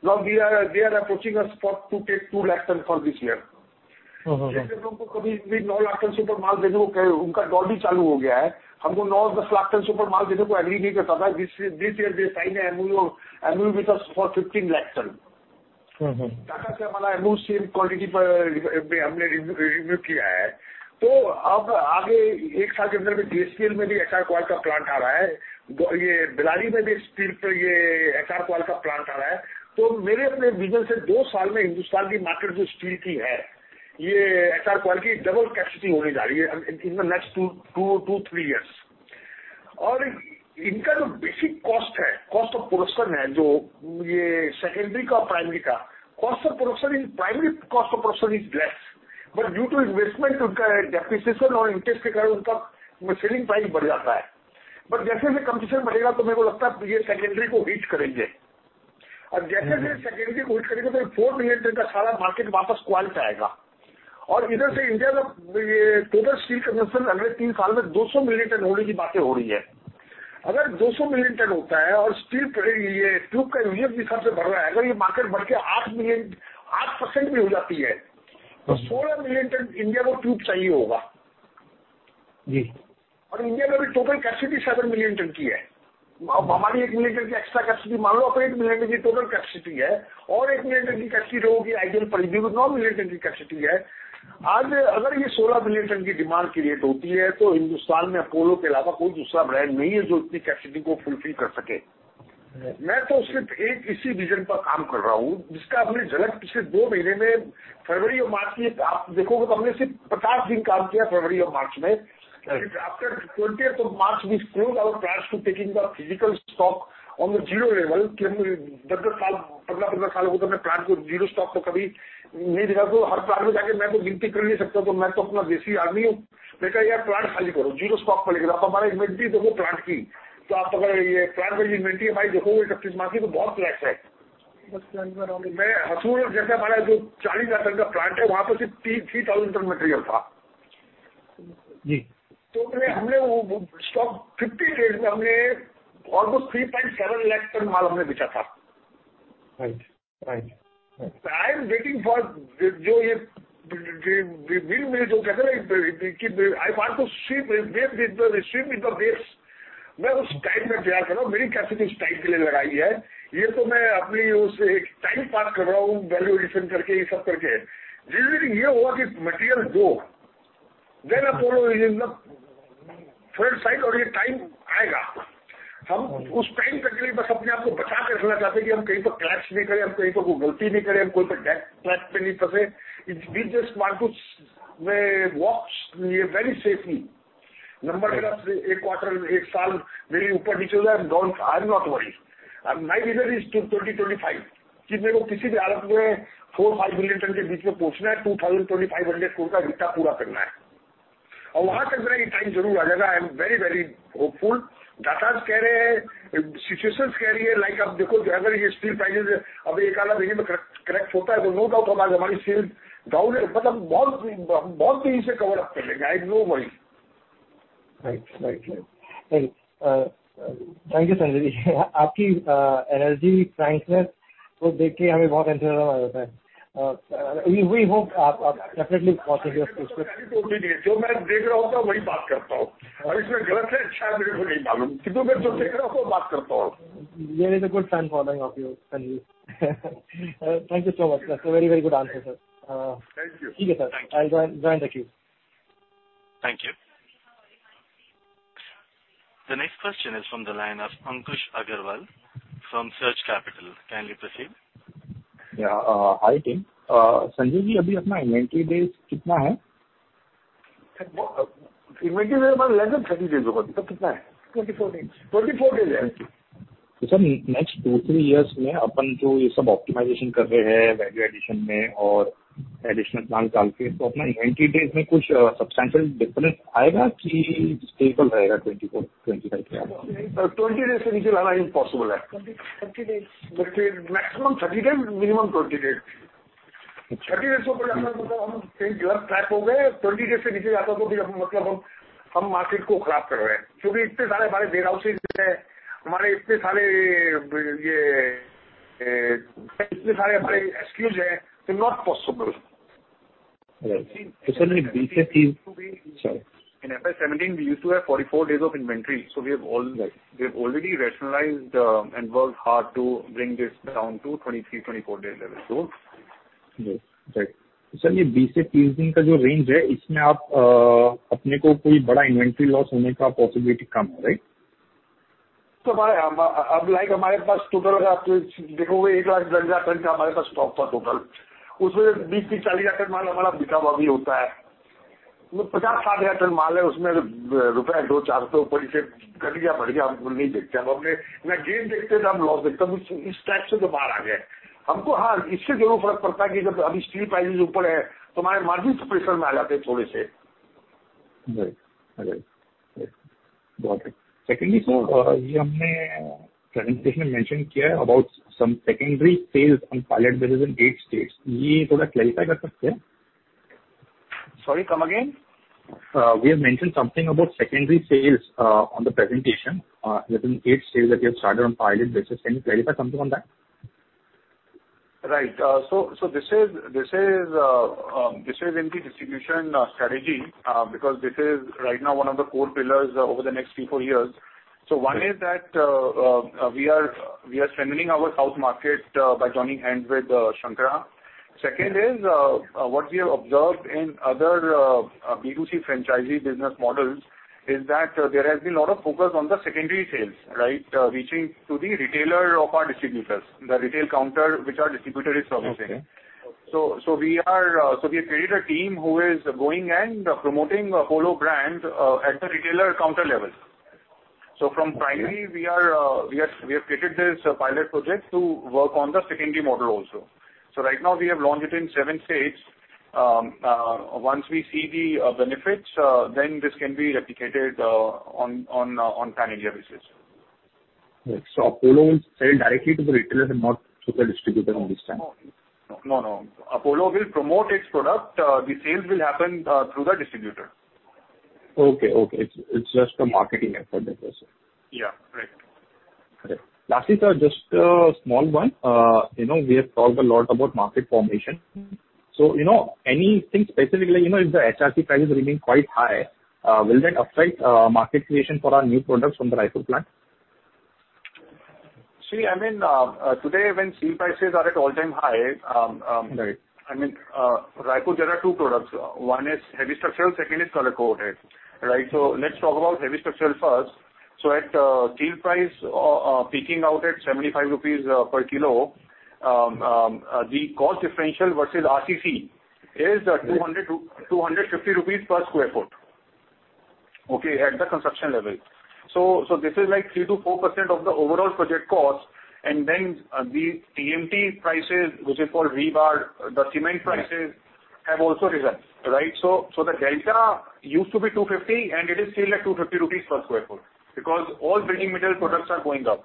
Now they are approaching a spot to take two lakh ton for this year. JSW हमको कभी भी नौ लाख ton से ऊपर माल देने को, उनका Dolvi चालू हो गया है। हमको नौ-दस लाख ton से ऊपर माल देने को agree नहीं करता था। This year they sign a MOU with us for 15 lakh ton. Tata से हमारा MOU same quantity पर हमने renew किया है। तो अब आगे एक साल के अंदर में JSPL में भी HR coil का plant आ रहा है। ये Bellary में भी steel पे ये HR coil का plant आ रहा है। तो मेरे अपने vision से दो साल में Hindustan की market जो steel की है, ये HR coil की double capacity होने जा रही है in the next two to three years. और इनका जो basic cost है, cost of production है, जो ये secondary का, primary का cost of production in primary cost of production is less. Due to investment उनका depreciation और interest के कारण उनका selling price बढ़ जाता है। जैसे-जैसे competition बढ़ेगा तो मेरे को लगता है कि ये secondary को hit करेंगे और जैसे-जैसे secondary को hit करेंगे तो four million ton का सारा market वापस coil पे आएगा। और इधर से India का total steel consumption अगले तीन साल में 200 million ton होने की बातें हो रही है। अगर 200 million ton होता है और steel ये tube का usage भी सबसे बढ़ रहा है। अगर ये market बढ़ के आठ million, 8% भी हो जाती है तो 16 million ton India को tube चाहिए होगा। जी। और India में अभी total capacity seven million ton की है। हमारी एक million ton की extra capacity मान लो, अपने एक million ton की total capacity है। और एक million ton की capacity जो होगी, India की nine million ton की capacity है। आज अगर ये 16 million ton की demand create होती है तो Hindustan में Apollo के अलावा कोई दूसरा brand नहीं है जो इतनी capacity को fulfill कर सके। मैं तो सिर्फ एक इसी vision पर काम कर रहा हूं, जिसका आपने झलक पिछले दो महीने में February और March की आप देखोगे तो हमने सिर्फ 50 दिन काम किया February और March में। After 20th of March, we closed our plants to taking the physical stock on the zero level. 10-10 साल, 15-15 सालों से मैंने plant को zero stock तो कभी नहीं देखा। तो हर plant में जाके मैं तो counting कर नहीं सकता। तो मैं तो अपना देसी आदमी है। मैंने कहा यार plant खाली करो, zero stock कर ले कर आप हमारा inventory देखो plant की। तो आप अगर ये plant की inventory भाई देखोगे 31 March की तो बहुत flat है। मैं Hosur जैसे हमारा जो 40,000 ton का plant है, वहां पर सिर्फ तीन-तीन thousand ton material था। जी। हमने वो stock 50 days में हमने almost 3.7 lakh ton माल हमने बेचा था। Right, right. मैं waiting कर रहा हूँ जो ये bill मिले जो कहते हैं ना कि I want to swim with the waves. मैं उस time में तैयार कर रहा हूँ। मेरी capacity उस time के लिए लगाई है। ये तो मैं अपनी उस एक time pass कर रहा हूँ value addition करके, ये सब करके। This is it. ये होगा कि material दो, then Apollo is in the front side और ये time आएगा। हम उस time के लिए बस अपने आप को बचा कर रखना चाहते हैं कि हम कहीं पर clash नहीं करें, हम कहीं पर कोई गलती नहीं करें, हम कोई पर death trap में नहीं फंसे। We just want to walk very safely. Number के बाद एक quarter, एक साल मेरी ऊपर-नीचे हो जाए, I am not worried. My vision is to 2025 कि मेरे को किसी भी हालत में four, five million ton के बीच में पहुंचना है। 2025 तक कोता पूरा करना है। और वहां तक में time जरूर लगेगा। I am very, very hopeful. Data कह रहे हैं, situations कह रही है like अब देखो अगर ये steel prices अभी एक आध महीने में crack होता है तो no doubt हमारे sales down है। मतलब बहुत, बहुत तेजी से cover up करेगा। I have no worry. Right. Thank you, Sanjay ji. आपकी energy, frankness वो देख के हमें बहुत encouragement मिल जाता है. We hope आप definitely possible हो सकते हो. जो मैं देख रहा हूँ ना वही बात करता हूँ। अब इसमें गलत है अच्छा है मेरे को नहीं मालूम। क्योंकि मैं जो देख रहा हूँ वो बात करता हूँ। There is a good fan following of you, Sanjay. Thank you so much. That's a very, very good answer, sir. Thank you. Theek hai, sir. I'll join the queue. Thank you. The next question is from the line of Ankush Agrawal from Surge Capital. Kindly proceed. Hi team. Sanjay ji, abhi apna inventory days kitna hai? Inventory है हमारे less than 30 days ऊपर। अब कितना है? 24 days. 24 days hai. Sir, next two, three years में अपन जो ये सब optimization कर रहे हैं value addition में और additional plant डाल के तो अपना inventory days में कुछ substantial difference आएगा कि stable रहेगा 2024, 2025 के आगे। 20 days से नीचे लाना impossible है. 30 days. Maximum 30 days, minimum 20 days. 30 days ऊपर मतलब हम trap हो गए। 20 days से नीचे जाता तो फिर मतलब हम market को खराब कर रहे हैं। क्योंकि इतने सारे हमारे warehouses हैं, हमारे इतने सारे ये, इतने सारे हमारे excuse हैं, so not possible. Right. Sir, ye 20 se 30. In FY 2017, we used to have 44 days of inventory. We have already rationalized and worked hard to bring this down to 23-24 days level. Sir, ये 20 से 30 दिन का जो range है, इसमें अपने को कोई बड़ा inventory loss होने का possibility कम है, right? तो हमारे पास total अगर आप देखोगे, 1 लाख 10 हजार ton का हमारे पास stock था total। उसमें 20, 30, 40 हजार ton माल हमारा बिका हुआ भी होता है। 50, 70 हजार ton माल है, उसमें रुपए दो चार तो ऊपर से घट गया, बढ़ गया, हम नहीं देखते। हम अपने ना gain देखते हैं, ना loss देखते हैं। हम इस trap से तो बाहर आ गए। हमको हाँ, इससे जरूर फर्क पड़ता है कि जब अभी steel prices ऊपर है, तो हमारे margins pressure में आ जाते हैं थोड़े से। Right. Got it. Secondly sir, ये हमने presentation में mention किया है about some secondary sales on pilot basis in eight states. ये थोड़ा clarify कर सकते हैं? Sorry, come again. We have mentioned something about secondary sales on the presentation within 8 states that you have started on pilot basis. Can you clarify something on that? Right. This is in the distribution strategy because this is right now one of the core pillars over the next three, four years. One is that we are strengthening our house market by joining hands with Shankara. Second is what we have observed in other B2C franchisee business models is that there has been a lot of focus on the secondary sales. Right. Reaching to the retailer of our distributors, the retail counter which our distributor is servicing. We have created a team who is going and promoting Apollo brand at the retailer counter level. From primary we have created this pilot project to work on the secondary model also. Right now we have launched it in seven states. Once we see the benefits, then this can be replicated on pan-India basis. Apollo will sell directly to the retailer and not to the distributor in this channel. No, no. Apollo will promote its product. The sales will happen through the distributor. Okay, okay. It's just a marketing effort that way sir. Yeah, correct. Correct. Lastly, sir, just a small one. You know, we have talked a lot about market formation. You know anything specifically, you know, if the HRC price is remaining quite high, will that affect market creation for our new products from the Raipur plant? See, I mean, today when steel prices are at all-time high. Right. I mean, Raipur there are two products. One is heavy structural, second is color coated. Right. Let's talk about heavy structural first. At steel price peaking out at 75 rupees per kilo, the cost differential versus RCC is 200-250 rupees per sq ft. Okay, at the construction level. So this is the focus of the overall budget cost, and then the TMT prices, which is called rebar. The cement prices have also risen. The delta used to be 250 and it is still at 250 rupees per sq ft because all building material products are going up.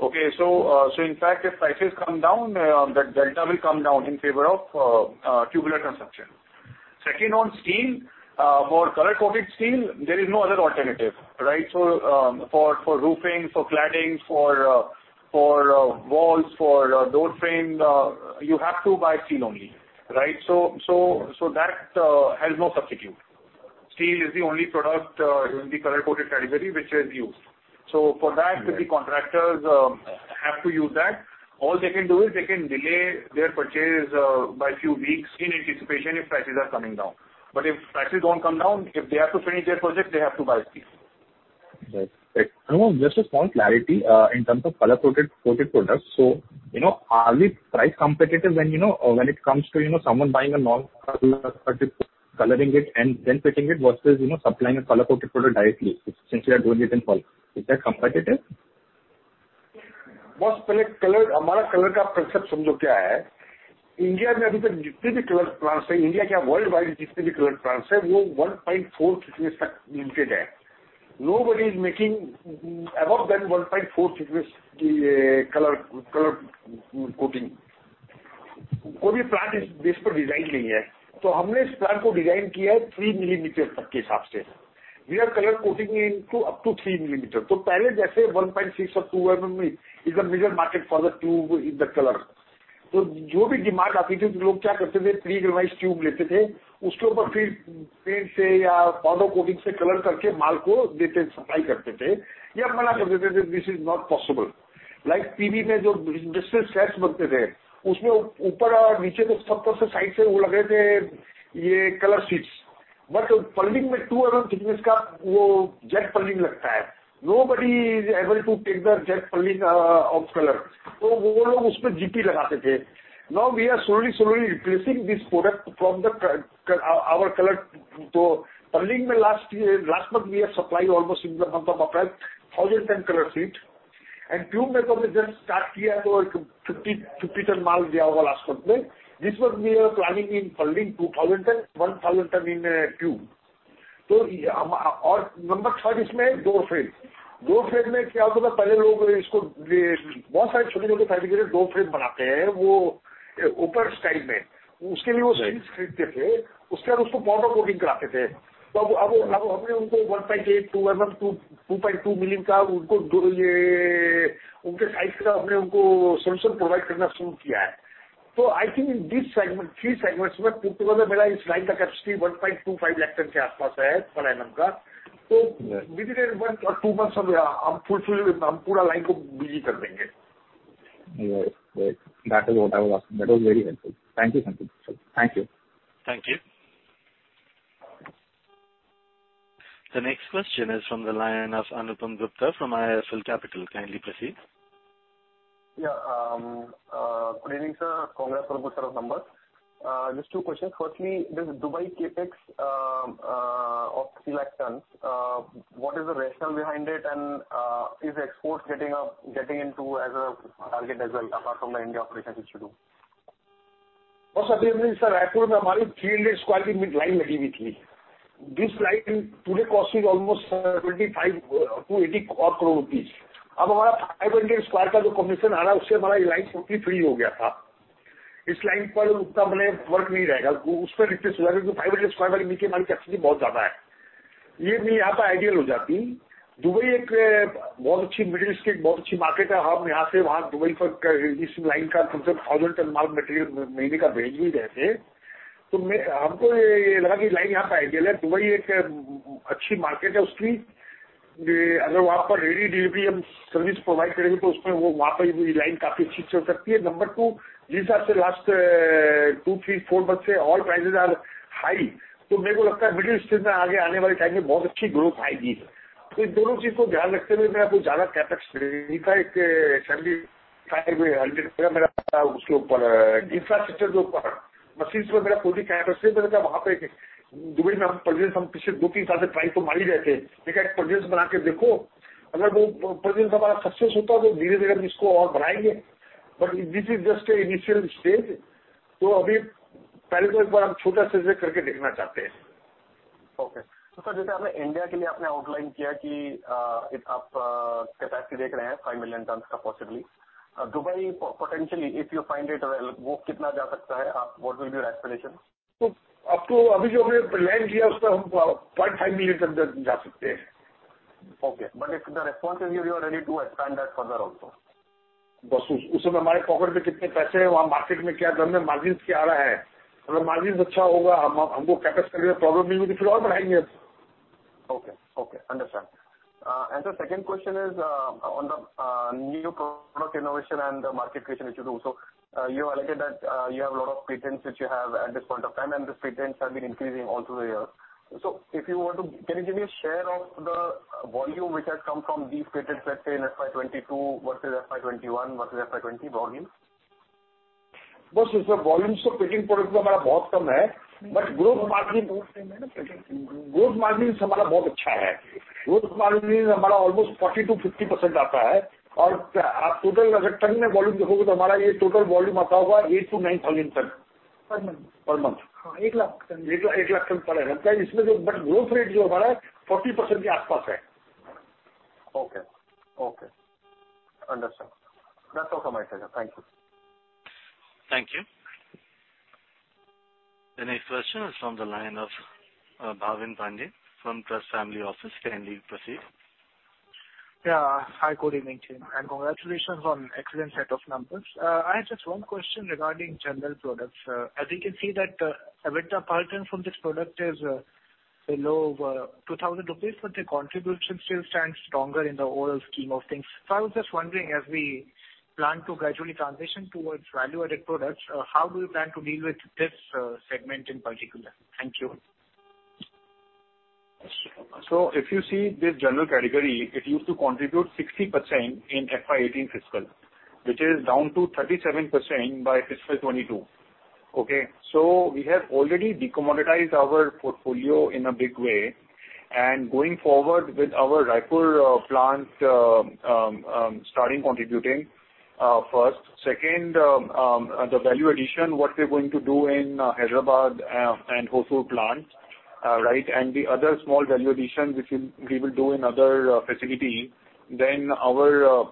Okay. In fact, if prices come down, that delta will come down in favor of tubular consumption. Second, on steel, for color coated steel, there is no other alternative, right? For roofing, for cladding, for walls, for door frame, you have to buy steel only, right? That has no substitute. Steel is the only product in the color coated category which is used. For that the contractors have to use that. All they can do is they can delay their purchases by a few weeks in anticipation if prices are coming down. If prices won't come down, if they have to finish their project, they have to buy steel. Right. Just a small clarity in terms of color coated products. You know, are we price competitive when, you know, when it comes to, you know, someone buying a non-colored product, coloring it and then fitting it versus, you know, supplying a color coated product directly since you are doing it in bulk? Is that competitive? Boss, color concept. In India color plants, in worldwide color plants 1.4 thickness limited. Nobody is making above than 1.4 thickness color coating. Design 3 millimeter. We are color coating up to 3 millimeter. So 1.6 or two is the major market for the tube in the color. So pre-galvanized tube paint powder coating color supply. This is not possible like TV sets color sheets but purlin 2 mm thickness Z purlin. Nobody is able to take the Z purlin of color. GP. Now we are slowly replacing this product from our color. Purlin last month we are supplying almost in the month of April 1,000 tons color sheet and tube just start 50 tons last month. This month we are planning in purlin 2,000 tons, 1,000 tons in tube. Our number third is door frame. Fabricator door frame open style. Powder coating 1.8, 2 mm, 2.2 million solution provide. I think in this segment, three segments capacity 1.25 lakh ton per annum. Within one or two months we are fulfilling line busy. Right. Right. That is what I was asking. That was very helpful. Thank you. Thank you. Thank you. The next question is from the line of Anupam Gupta from IIFL Capital. Kindly proceed. Yeah. Good evening, sir. Congrats for the good set of numbers. Just two questions. Firstly, this Dubai CapEx of 3 lakh tons, what is the rationale behind it? And, is exports getting up, getting into as a target as well, apart from the India operations which you do? Boss, sir, 300 sq ft line. This line today costing almost 75 crore-80 crore rupees. 500 sq commission line free. 500 sq capacity. Ideal Dubai Middle East market. Dubai line 1,000 ton material month. Line ideal Dubai market. Ready delivery service provide line. Number two. Last two, three, four months all prices are high. Middle East growth. CapEx 7,500 infrastructure machines CapEx. Dubai presence price. Presence success. This is just an initial stage. Okay. Sir, as you have outlined for India that you are looking at a capacity of 5 million tons possibly. Dubai potentially, if you find it relevant, how much can it go up? What will be your explanation? Up to like INR 0.5 million. Okay. If the response is good, you are ready to expand that further also. Boss, how much money we have in our pocket, what is the condition of the market, what are the margins. If the margins are good, we will increase the capacity if there is no problem, then we will increase it further. Okay, okay. Understand. The second question is on the new product innovation and the market creation which you do. You alerted that you have a lot of patents which you have at this point of time, and these patents have been increasing all through the years. If you want to, can you give me a share of the volume which has come from these patents, let's say, in FY 2022 versus FY 2021 versus FY 2020 volume? Base volumes of patented products are very less, but growth margin, growth margins are very good. Growth margin is almost 40%-50%. If you look at the total volume in tons, our total volume would be 8,000-9,000 tons. Per month. Per month. 100,000 tons. 100,000 tons per annum. Growth rate, you know, about 40%. Okay, okay. Understood. That's all from my side, sir. Thank you. Thank you. The next question is from the line of Bhavin Pande from Trust Family Office. Kindly proceed. Yeah. Hi, good evening to you and congratulations on excellent set of numbers. I have just one question regarding general products. As you can see that, EBITDA per ton from this product is below 2,000 rupees, but the contribution still stands stronger in the overall scheme of things. I was just wondering as we plan to gradually transition towards value-added products, how do you plan to deal with this segment in particular? Thank you. If you see the general category, it used to contribute 60% in FY2018, which is down to 37% by fiscal 2022. Okay. We have already decommoditized our portfolio in a big way and going forward with our Raipur plant starting contributing, first. Second, the value addition, what we're going to do in Hyderabad and Hosur plant, right. The other small value addition which we will do in other facility. Our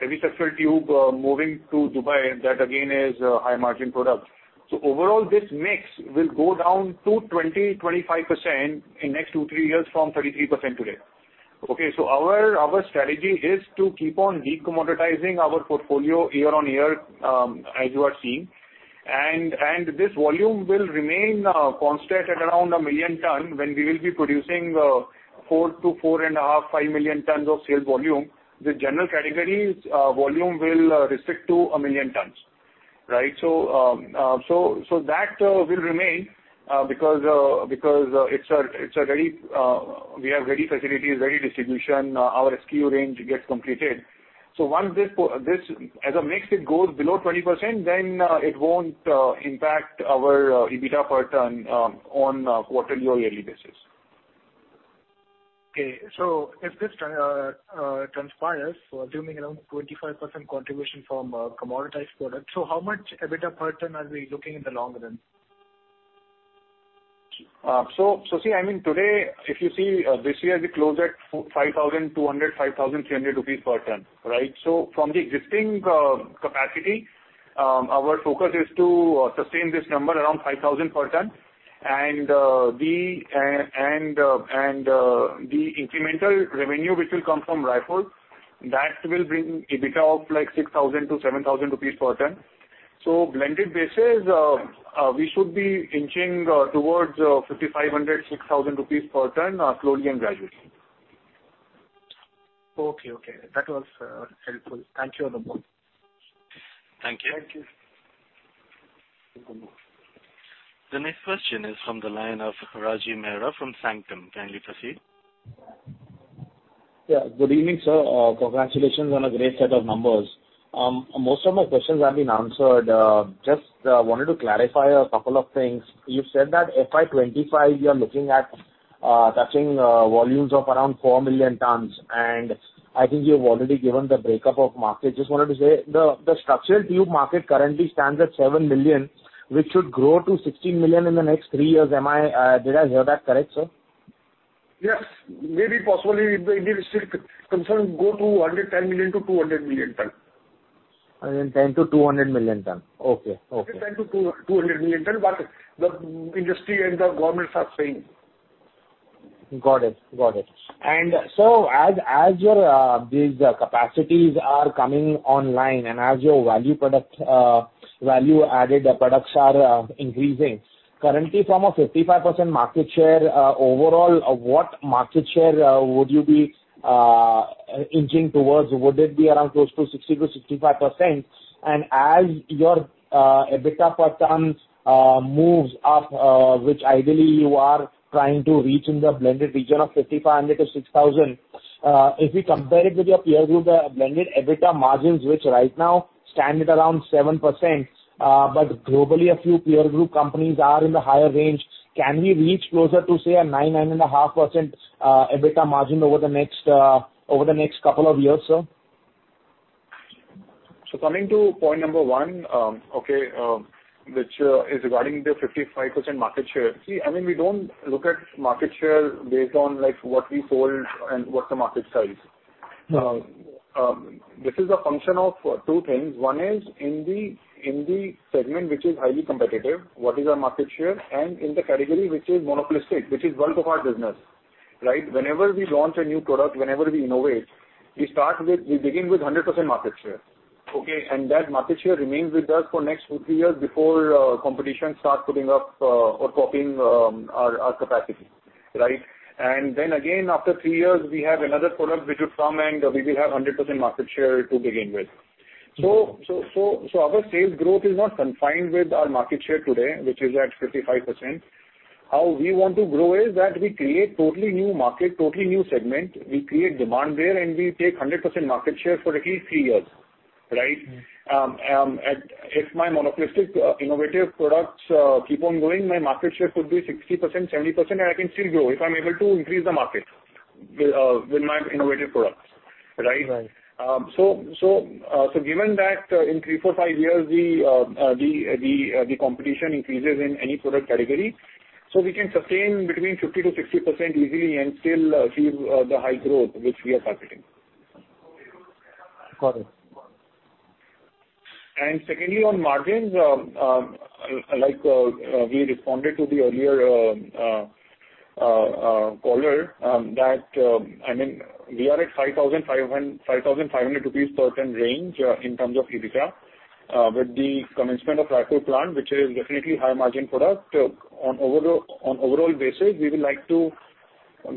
heavy structural tube moving to Dubai, that again is a high margin product. Overall this mix will go down to 20%-25% in next two, three years from 33% today. Okay. Our strategy is to keep on decommoditizing our portfolio year-on-year, as you are seeing. This volume will remain constant at around 1 million tons when we will be producing 4 million to 4.5-5 million tons of sales volume. The general categories volume will restrict to 1 million tons, right? That will remain because we have ready facilities, ready distribution. Our SKU range gets completed. Once this as a mix it goes below 20% then it won't impact our EBITDA per ton on a quarterly or yearly basis. Okay. If this transpires assuming around 25% contribution from a commoditized product, how much EBITDA per ton are we looking in the long run? See, I mean, today if you see, this year we closed at 5,200-5,300 rupees per ton, right? From the existing capacity, our focus is to sustain this number around 5,000 per ton. The incremental revenue which will come from Raipur, that will bring EBITDA of like 6,000-7,000 rupees per ton. Blended basis, we should be inching towards 5,500-6,000 rupees per ton, slowly and gradually. Okay. That was helpful. Thank you on the Board. Thank you. Thank you. The next question is from the line of Rajiv Mehra from Sanctum. Kindly proceed. Yeah. Good evening, sir. Congratulations on a great set of numbers. Most of my questions have been answered. Just wanted to clarify a couple of things. You said that FY 2025 you are looking at touching volumes of around 4 million tons, and I think you've already given the breakup of market. Just wanted to say the structural tube market currently stands at 7 million, which should grow to 16 million in the next three years. Did I hear that correct, sir? Yes. Maybe possibly the industry concerned go to 110 million to 200 million tons. 110 million-200 million tons. Okay. Okay. 110 million-200 million ton what the industry and the governments are saying. Got it. As your these capacities are coming online and as your value-added products are increasing, currently from a 55% market share overall, what market share would you be inching towards? Would it be around close to 60%-65%? As your EBITDA per ton moves up, which ideally you are trying to reach in the blended region of 5,500-6,000, if we compare it with your peer group, the blended EBITDA margins, which right now stand at around 7%, but globally a few peer group companies are in the higher range. Can we reach closer to say a 9%-9.5% EBITDA margin over the next couple of years, sir? Coming to point number one, which is regarding the 55% market share. See, I mean, we don't look at market share based on, like, what we sold and what the market size. Mm-hmm. This is a function of two things. One is in the segment which is highly competitive, what is our market share and in the category which is monopolistic, which is bulk of our business, right? Whenever we launch a new product, whenever we innovate, we begin with 100% market share. Okay. That market share remains with us for next two, three years before competition start putting up or copying our capacity. Right. Then again after three years, we have another product which will come and we will have 100% market share to begin with. Mm-hmm. Our sales growth is not confined with our market share today, which is at 55%. How we want to grow is that we create totally new market, totally new segment. We create demand there and we take 100% market share for at least three years, right? Mm-hmm. If my monopolistic innovative products keep on going, my market share could be 60%, 70%, and I can still grow if I'm able to increase the market with my innovative products. Right. Given that, in three, four, five years, the competition increases in any product category, so we can sustain between 50%-60% easily and still achieve the high growth which we are targeting. Got it. Secondly, on margins, like, we responded to the earlier caller, that, I mean, we are at 5,500 rupees per ton range, in terms of EBITDA. With the commencement of Raipur plant, which is definitely high margin product, on overall basis, we would like to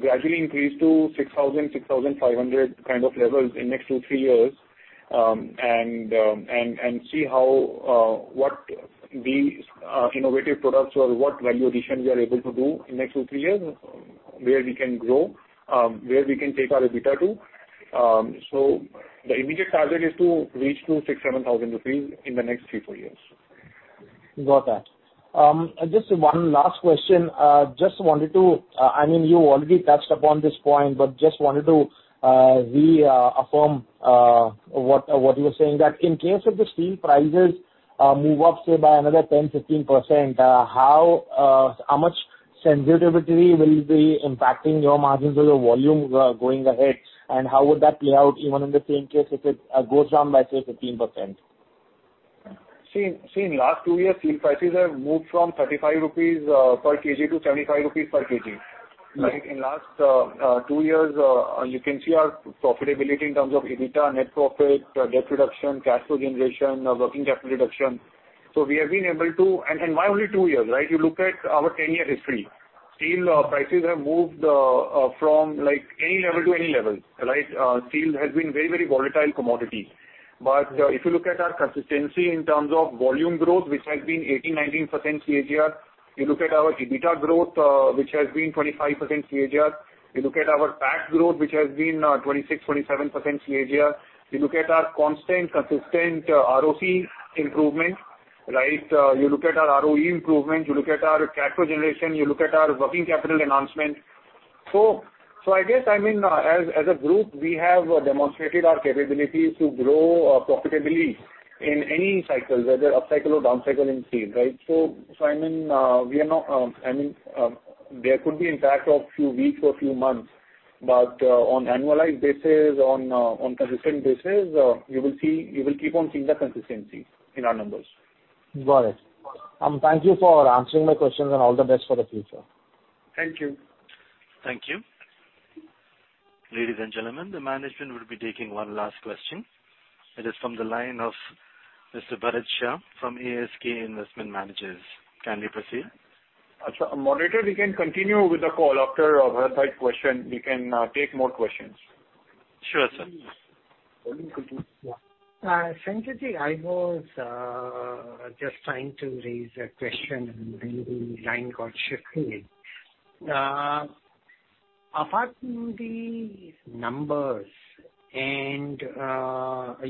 gradually increase to 6,000-6,500 kind of levels in next two, three years. And see how, what these innovative products or what value addition we are able to do in next two, three years, where we can grow, where we can take our EBITDA to. The immediate target is to reach to 6,000-7,000 rupees in the next three, four years. Got that. Just one last question. Just wanted to, I mean, you already touched upon this point, but just wanted to reaffirm what you're saying that in case if the steel prices move up, say by another 10%-15%, how much sensitivity will be impacting your margins or your volumes going ahead? And how would that play out even in the same case if it goes down by, say, 15%? See, in last two years, steel prices have moved from 35 rupees per kg to 75 rupees per kg. Right. In the last two years, you can see our profitability in terms of EBITDA, net profit, debt reduction, cash flow generation, working capital reduction. We have been able to. Why only two years, right? You look at our 10-year history. Steel prices have moved from, like, any level to any level, right? Steel has been very, very volatile commodity. If you look at our consistency in terms of volume growth, which has been 18%-19% CAGR, you look at our EBITDA growth, which has been 25% CAGR. You look at our PAT growth, which has been 26%-27% CAGR. You look at our constant, consistent ROC improvement, right? You look at our ROE improvement. You look at our cash flow generation. You look at our working capital enhancement. I guess, I mean, as a group, we have demonstrated our capabilities to grow profitability in any cycle, whether upcycle or downcycle in steel, right? I mean, we are not, I mean, there could be impact of few weeks or few months. On annualized basis, on consistent basis, you will see, you will keep on seeing the consistency in our numbers. Got it. Thank you for answering my questions and all the best for the future. Thank you. Thank you. Ladies and gentlemen, the management will be taking one last question. It is from the line of Mr. Bharat Shah from ASK Investment Managers. Can we proceed? Moderator, we can continue with the call. After Bharat Shah question, we can take more questions. Sure, sir. Please continue. Yeah. Sanjay ji, I was just trying to raise a question and maybe line got shifted. Apart from the numbers and,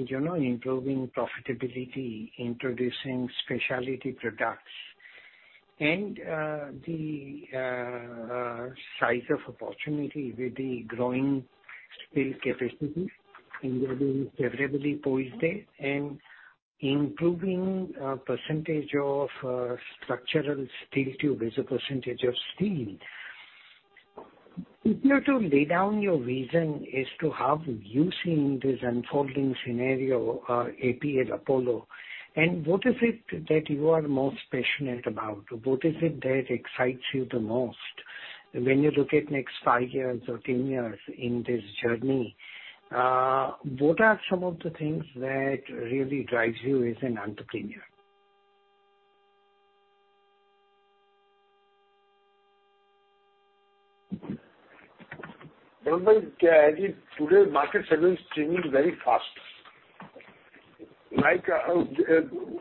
you know, improving profitability, introducing specialty products and the size of opportunity with the growing steel capacity and you're doing favorably poised there and improving percentage of structural steel tube as a percentage of steel. If you have to lay down your vision as to how you see this unfolding scenario, APL Apollo, and what is it that you are most passionate about? What is it that excites you the most when you look at next five years or 10 years in this journey? What are some of the things that really drives you as an entrepreneur? Bharat bhai, kya hai ki today market segment is changing very fast. Like,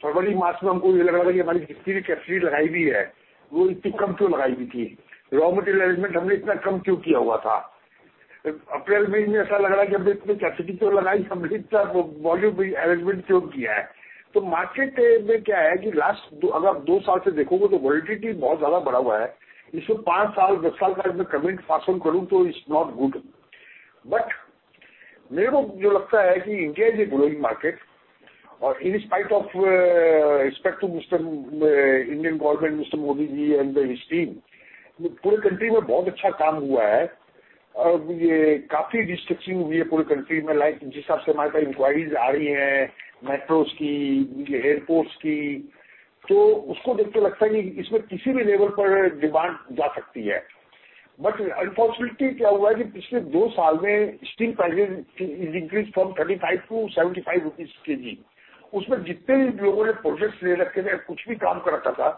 February month mein humko yeh lag raha hai ki hamari kitni bhi capacity lagayi hui hai, woh itni kam kyu lagayi thi. Raw material arrangement humne itna kam kyu kiya hua tha. April month mein aisa lag raha hai ki humne itni capacity kyu lagayi. Hamari itna volume arrangement kyu kiya hai. Toh market mein kya hai ki last 2, agar aap 2 saal se dekhoge toh volatility bahut jyada badha hua hai. Isse 5 saal, 10 saal ka agar main comment pass on karu toh it's not good. Mere ko jo lagta hai ki India is a growing market. Aur in spite of, respect to Mr., Indian Government, Mr. Modi ji and his team, poore country mein bahut achha kaam hua hai. Aur yeh kaafi reconstruction hui hai poore country mein. Like jis hisab se hamare pass inquiries aa rahi hai metros ki, airports ki. Toh usko dekhte lagta hai ki isme kisi bhi level par demand ja sakti hai. Unfortunately kya hua hai ki pichhle 2 saal mein steel prices is increased from INR 35/kg to INR 75/kg. Usme jitne bhi logo ne projects le rakhe the, kuch bhi kaam kar rakha tha,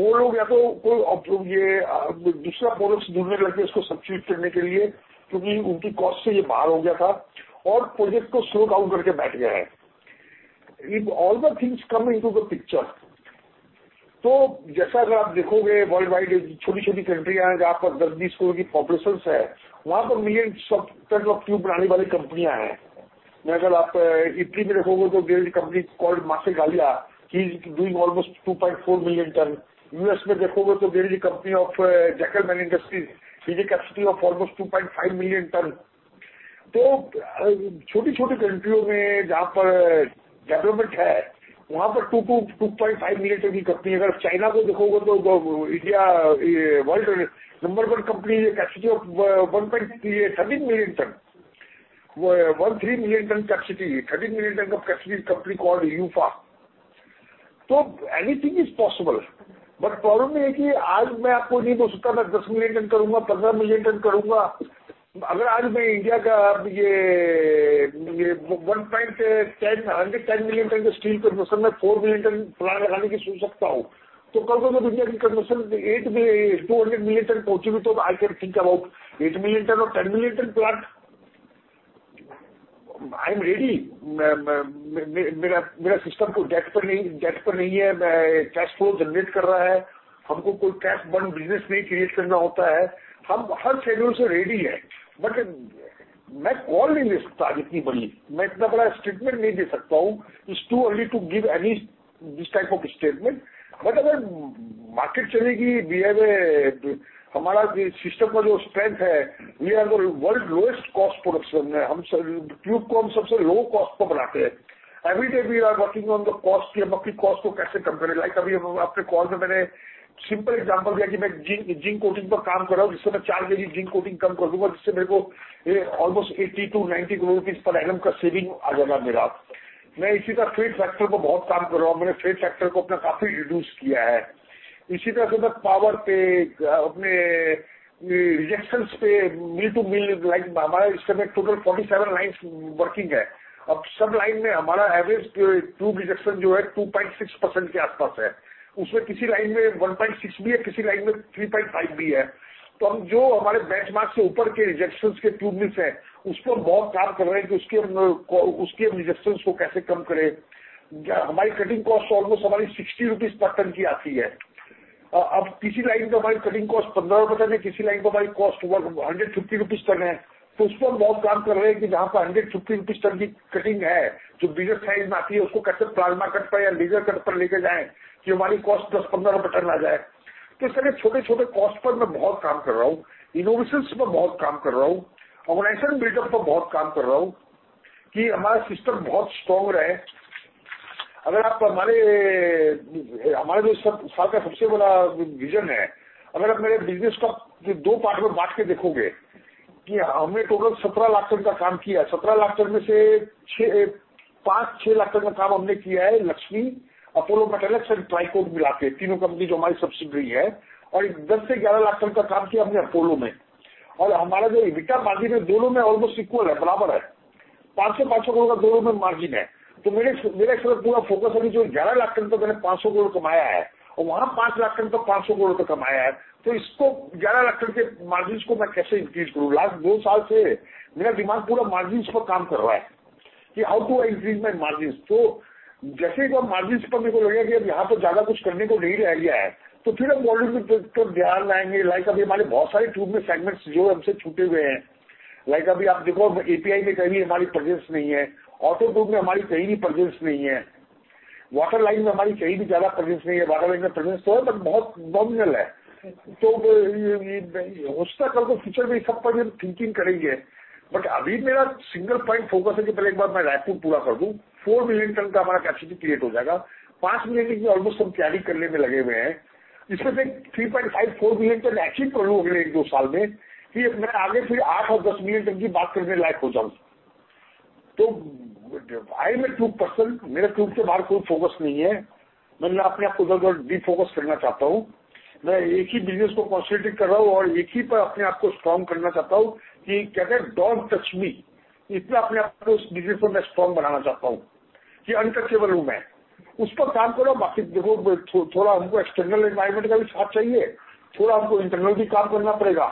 woh log ya toh koi ab yeh, dusra products dhundne lag gaye usko substitute karne ke liye, kyunki unki cost se yeh bahar ho gaya tha, aur project ko slow down karke baith gaye hai. If all the things come into the picture. Toh jaisa agar aap dekhoge worldwide choti-choti country hai jahan par 10, 20 crore ki populations hai, wahan par millions sub type of tube banane wali companiyan hai. If you look at Italy, there is a company called Marcegaglia. It is doing almost 2.4 million tons. If you look at U.S., there is a company called Zekelman Industries. It has a capacity of almost 2.5 million tons. तो छोटी छोटी countries में जहां पर development है वहां पर 2-2.5 million ton की company है। अगर China को देखोगे तो China's world number one company capacity of 13 million ton capacity company called Youfa. Anything is possible but problem यह है कि आज मैं आपको नहीं बोल सकता। मैं 10 million ton करूंगा। 15 million ton करूंगा। अगर आज मैं India का ये 110 million ton steel conversion में 4 million ton plant लगाने की सोच सकता हूं तो कल को मैं India की conversion 820 million ton पहुंचू भी तो I can think about 8 million ton or 10 million ton plant. I am ready. मैं मेरा system कोई debt पर नहीं है। मैं cash flow generate कर रहा है। हमको कोई cash burn business नहीं create करना होता है। हम हर schedule से ready है। मैं call नहीं ले सकता इतनी बड़ी। मैं इतना बड़ा statement नहीं दे सकता हूं। It's too early to give any this type of statement. अगर market चलेगी, we have a हमारा system का जो strength है. We are the world lowest cost production. हम tube को सबसे low cost पर बनाते हैं। Every day we are working on the cost कि हम अपनी cost को कैसे कम करें। जैसे अभी अपने call में मैंने simple example दिया कि मैं zinc coating पर काम कर रहा हूं। जिससे मैं चार kg zinc coating कम कर दूंगा। जिससे मेरे को almost ₹80 to ₹90 per ton का saving आ जाएगा मेरा। मैं इसी तरह trade factor को बहुत कम कर रहा हूं। मैंने trade factor को अपना काफी reduce किया है। इसी तरह से मैं power पे, अपने rejections पे, mill to mill — हमारा इस समय total 47 lines working है। अब सब line में हमारा average tube rejection जो है 2.6% के आसपास है। उसमें किसी line में 1.6% भी है, किसी line में 3.5% भी है। तो हम जो हमारे benchmark से ऊपर के rejections के tube mills हैं, उस पर बहुत काम कर रहे हैं कि उसके rejections को कैसे कम करें। हमारी cutting cost almost ₹60 per ton की आती है। अब किसी line का हमारी cutting cost ₹15 per ton है। किसी line का हमारी cost ₹150 per ton से ऊपर है। तो उस पर बहुत काम कर रहे हैं कि जहां पर ₹150 per ton की cutting है, जो bigger size में आती है, उसको कैसे plasma cut पर या laser cut पर लेकर जाएं कि हमारी cost ₹10-15 per ton आ जाए। तो इस तरह छोटे-छोटे cost पर मैं बहुत काम कर रहा हूं। Innovations पर बहुत काम कर रहा हूं। Organization buildup पर बहुत काम कर रहा हूं कि हमारा system बहुत strong रहे। अगर आप हमारे जो इस साल का सबसे बड़ा vision है, अगर आप मेरे business को दो part में बांट के देखोगे कि हमने total 17 लाख ton का काम किया है। 17 लाख ton में से पांच-छह लाख ton का काम हमने किया है — Lakshmi, Apollo Metalex और Apollo Tricoat मिलाकर तीनों companies जो हमारी subsidiary हैं — और 10 से 11 लाख ton का काम किया हमने APL Apollo में और हमारा जो EBITDA margin है, दोनों में almost equal है, बराबर है। ₹500-₹500 करोड़ का दोनों में margin है। तो मेरे इस समय पूरा focus है कि जो 11 लाख ton पर मैंने ₹500 करोड़ कमाया है और वहां 5 लाख ton पर ₹500 करोड़ तक कमाया है, तो इसको 11 लाख ton के margins को मैं कैसे increase करूं। Last दो साल से मेरा दिमाग पूरा margins पर काम कर रहा है कि how to increase my margins. तो जैसे ही को margins पर मेरे को लगेगा कि अब यहां पर ज्यादा कुछ करने को नहीं रह गया है तो फिर हम volume पर ध्यान लाएंगे। Like अभी हमारे बहुत सारे tube में segments जो हमसे छूटे हुए हैं। Like अभी आप देखो API में कहीं हमारी presence नहीं है। Auto tube में हमारी कहीं भी presence नहीं है। Water line में हमारी कहीं भी ज्यादा presence नहीं है। Water line में presence तो है, but बहुत nominal है। तो उसका कल को future में सब पर thinking करेगी है। But अभी मेरा single point focus है कि पहले एक बार मैं Raipur पूरा कर दूं। Four million ton का हमारा capacity create हो जाएगा। पांच million में almost हम carrying करने में लगे हुए हैं। इसमें से 3.5 four million ton achieve कर लूं अगले एक दो साल में कि मैं आगे फिर आठ और दस million ton की बात करने लायक हो जाऊं। तो I am a tube person. मेरे tube के बाहर कोई focus नहीं है। मैं अपने आप को उधर उधर defocus करना चाहता हूं। मैं एक ही business को concentrate कर रहा हूं और एक ही पर अपने आप को strong करना चाहता हूं कि कहते हैं don't touch me। इतने अपने आप को business पर मैं strong बनाना चाहता हूं कि untouchable हूं मैं। उस पर काम कर रहा। बाकी देखो थोड़ा हमको external environment का भी साथ चाहिए। थोड़ा हमको internal भी काम करना पड़ेगा।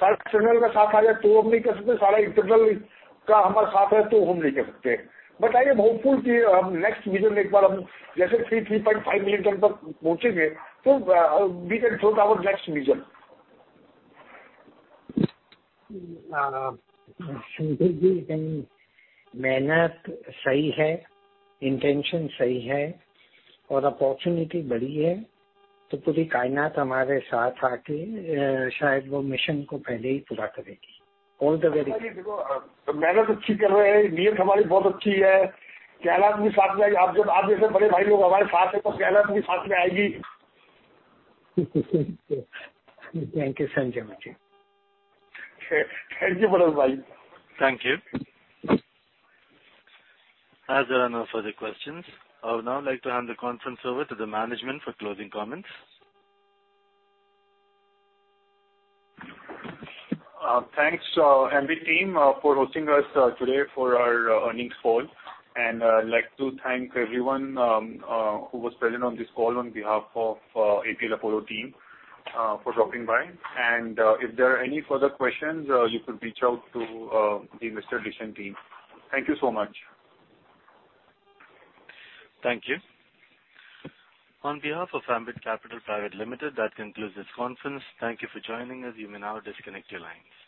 सारा external का साथ आ जाए तो भी हम नहीं कर सकते। सारा internal का हमारा साथ है तो हम नहीं कर सकते। I am hopeful कि हम next vision, एक बार हम जैसे 3-3.5 million ton तक पहुंचेंगे तो we can throw our next vision. Sanjay ji, mehnat sahi hai, intention sahi hai aur opportunity badi hai toh poori kaaynaat hamare saath aake shayad wo mission ko pehle hi poora karegi. All the very best. मेहनत अच्छी कर रहे हैं। नीयत हमारी बहुत अच्छी है। कायनात भी साथ में आ गई। आप जैसे बड़े भाई लोग हमारे साथ हैं तो कायनात भी साथ में आएगी। Thank you, Sanjay ji. Thank you, Pradesh bhai. Thank you. As there are no further questions. I would now like to hand the conference over to the management for closing comments. Thanks, Ambit team, for hosting us today for our earnings call and like to thank everyone who was present on this call on behalf of APL Apollo team for dropping by, and if there are any further questions, you could reach out to the investor relation team. Thank you so much. Thank you. On behalf of Ambit Capital Private Limited. That concludes this conference. Thank you for joining us. You may now disconnect your lines.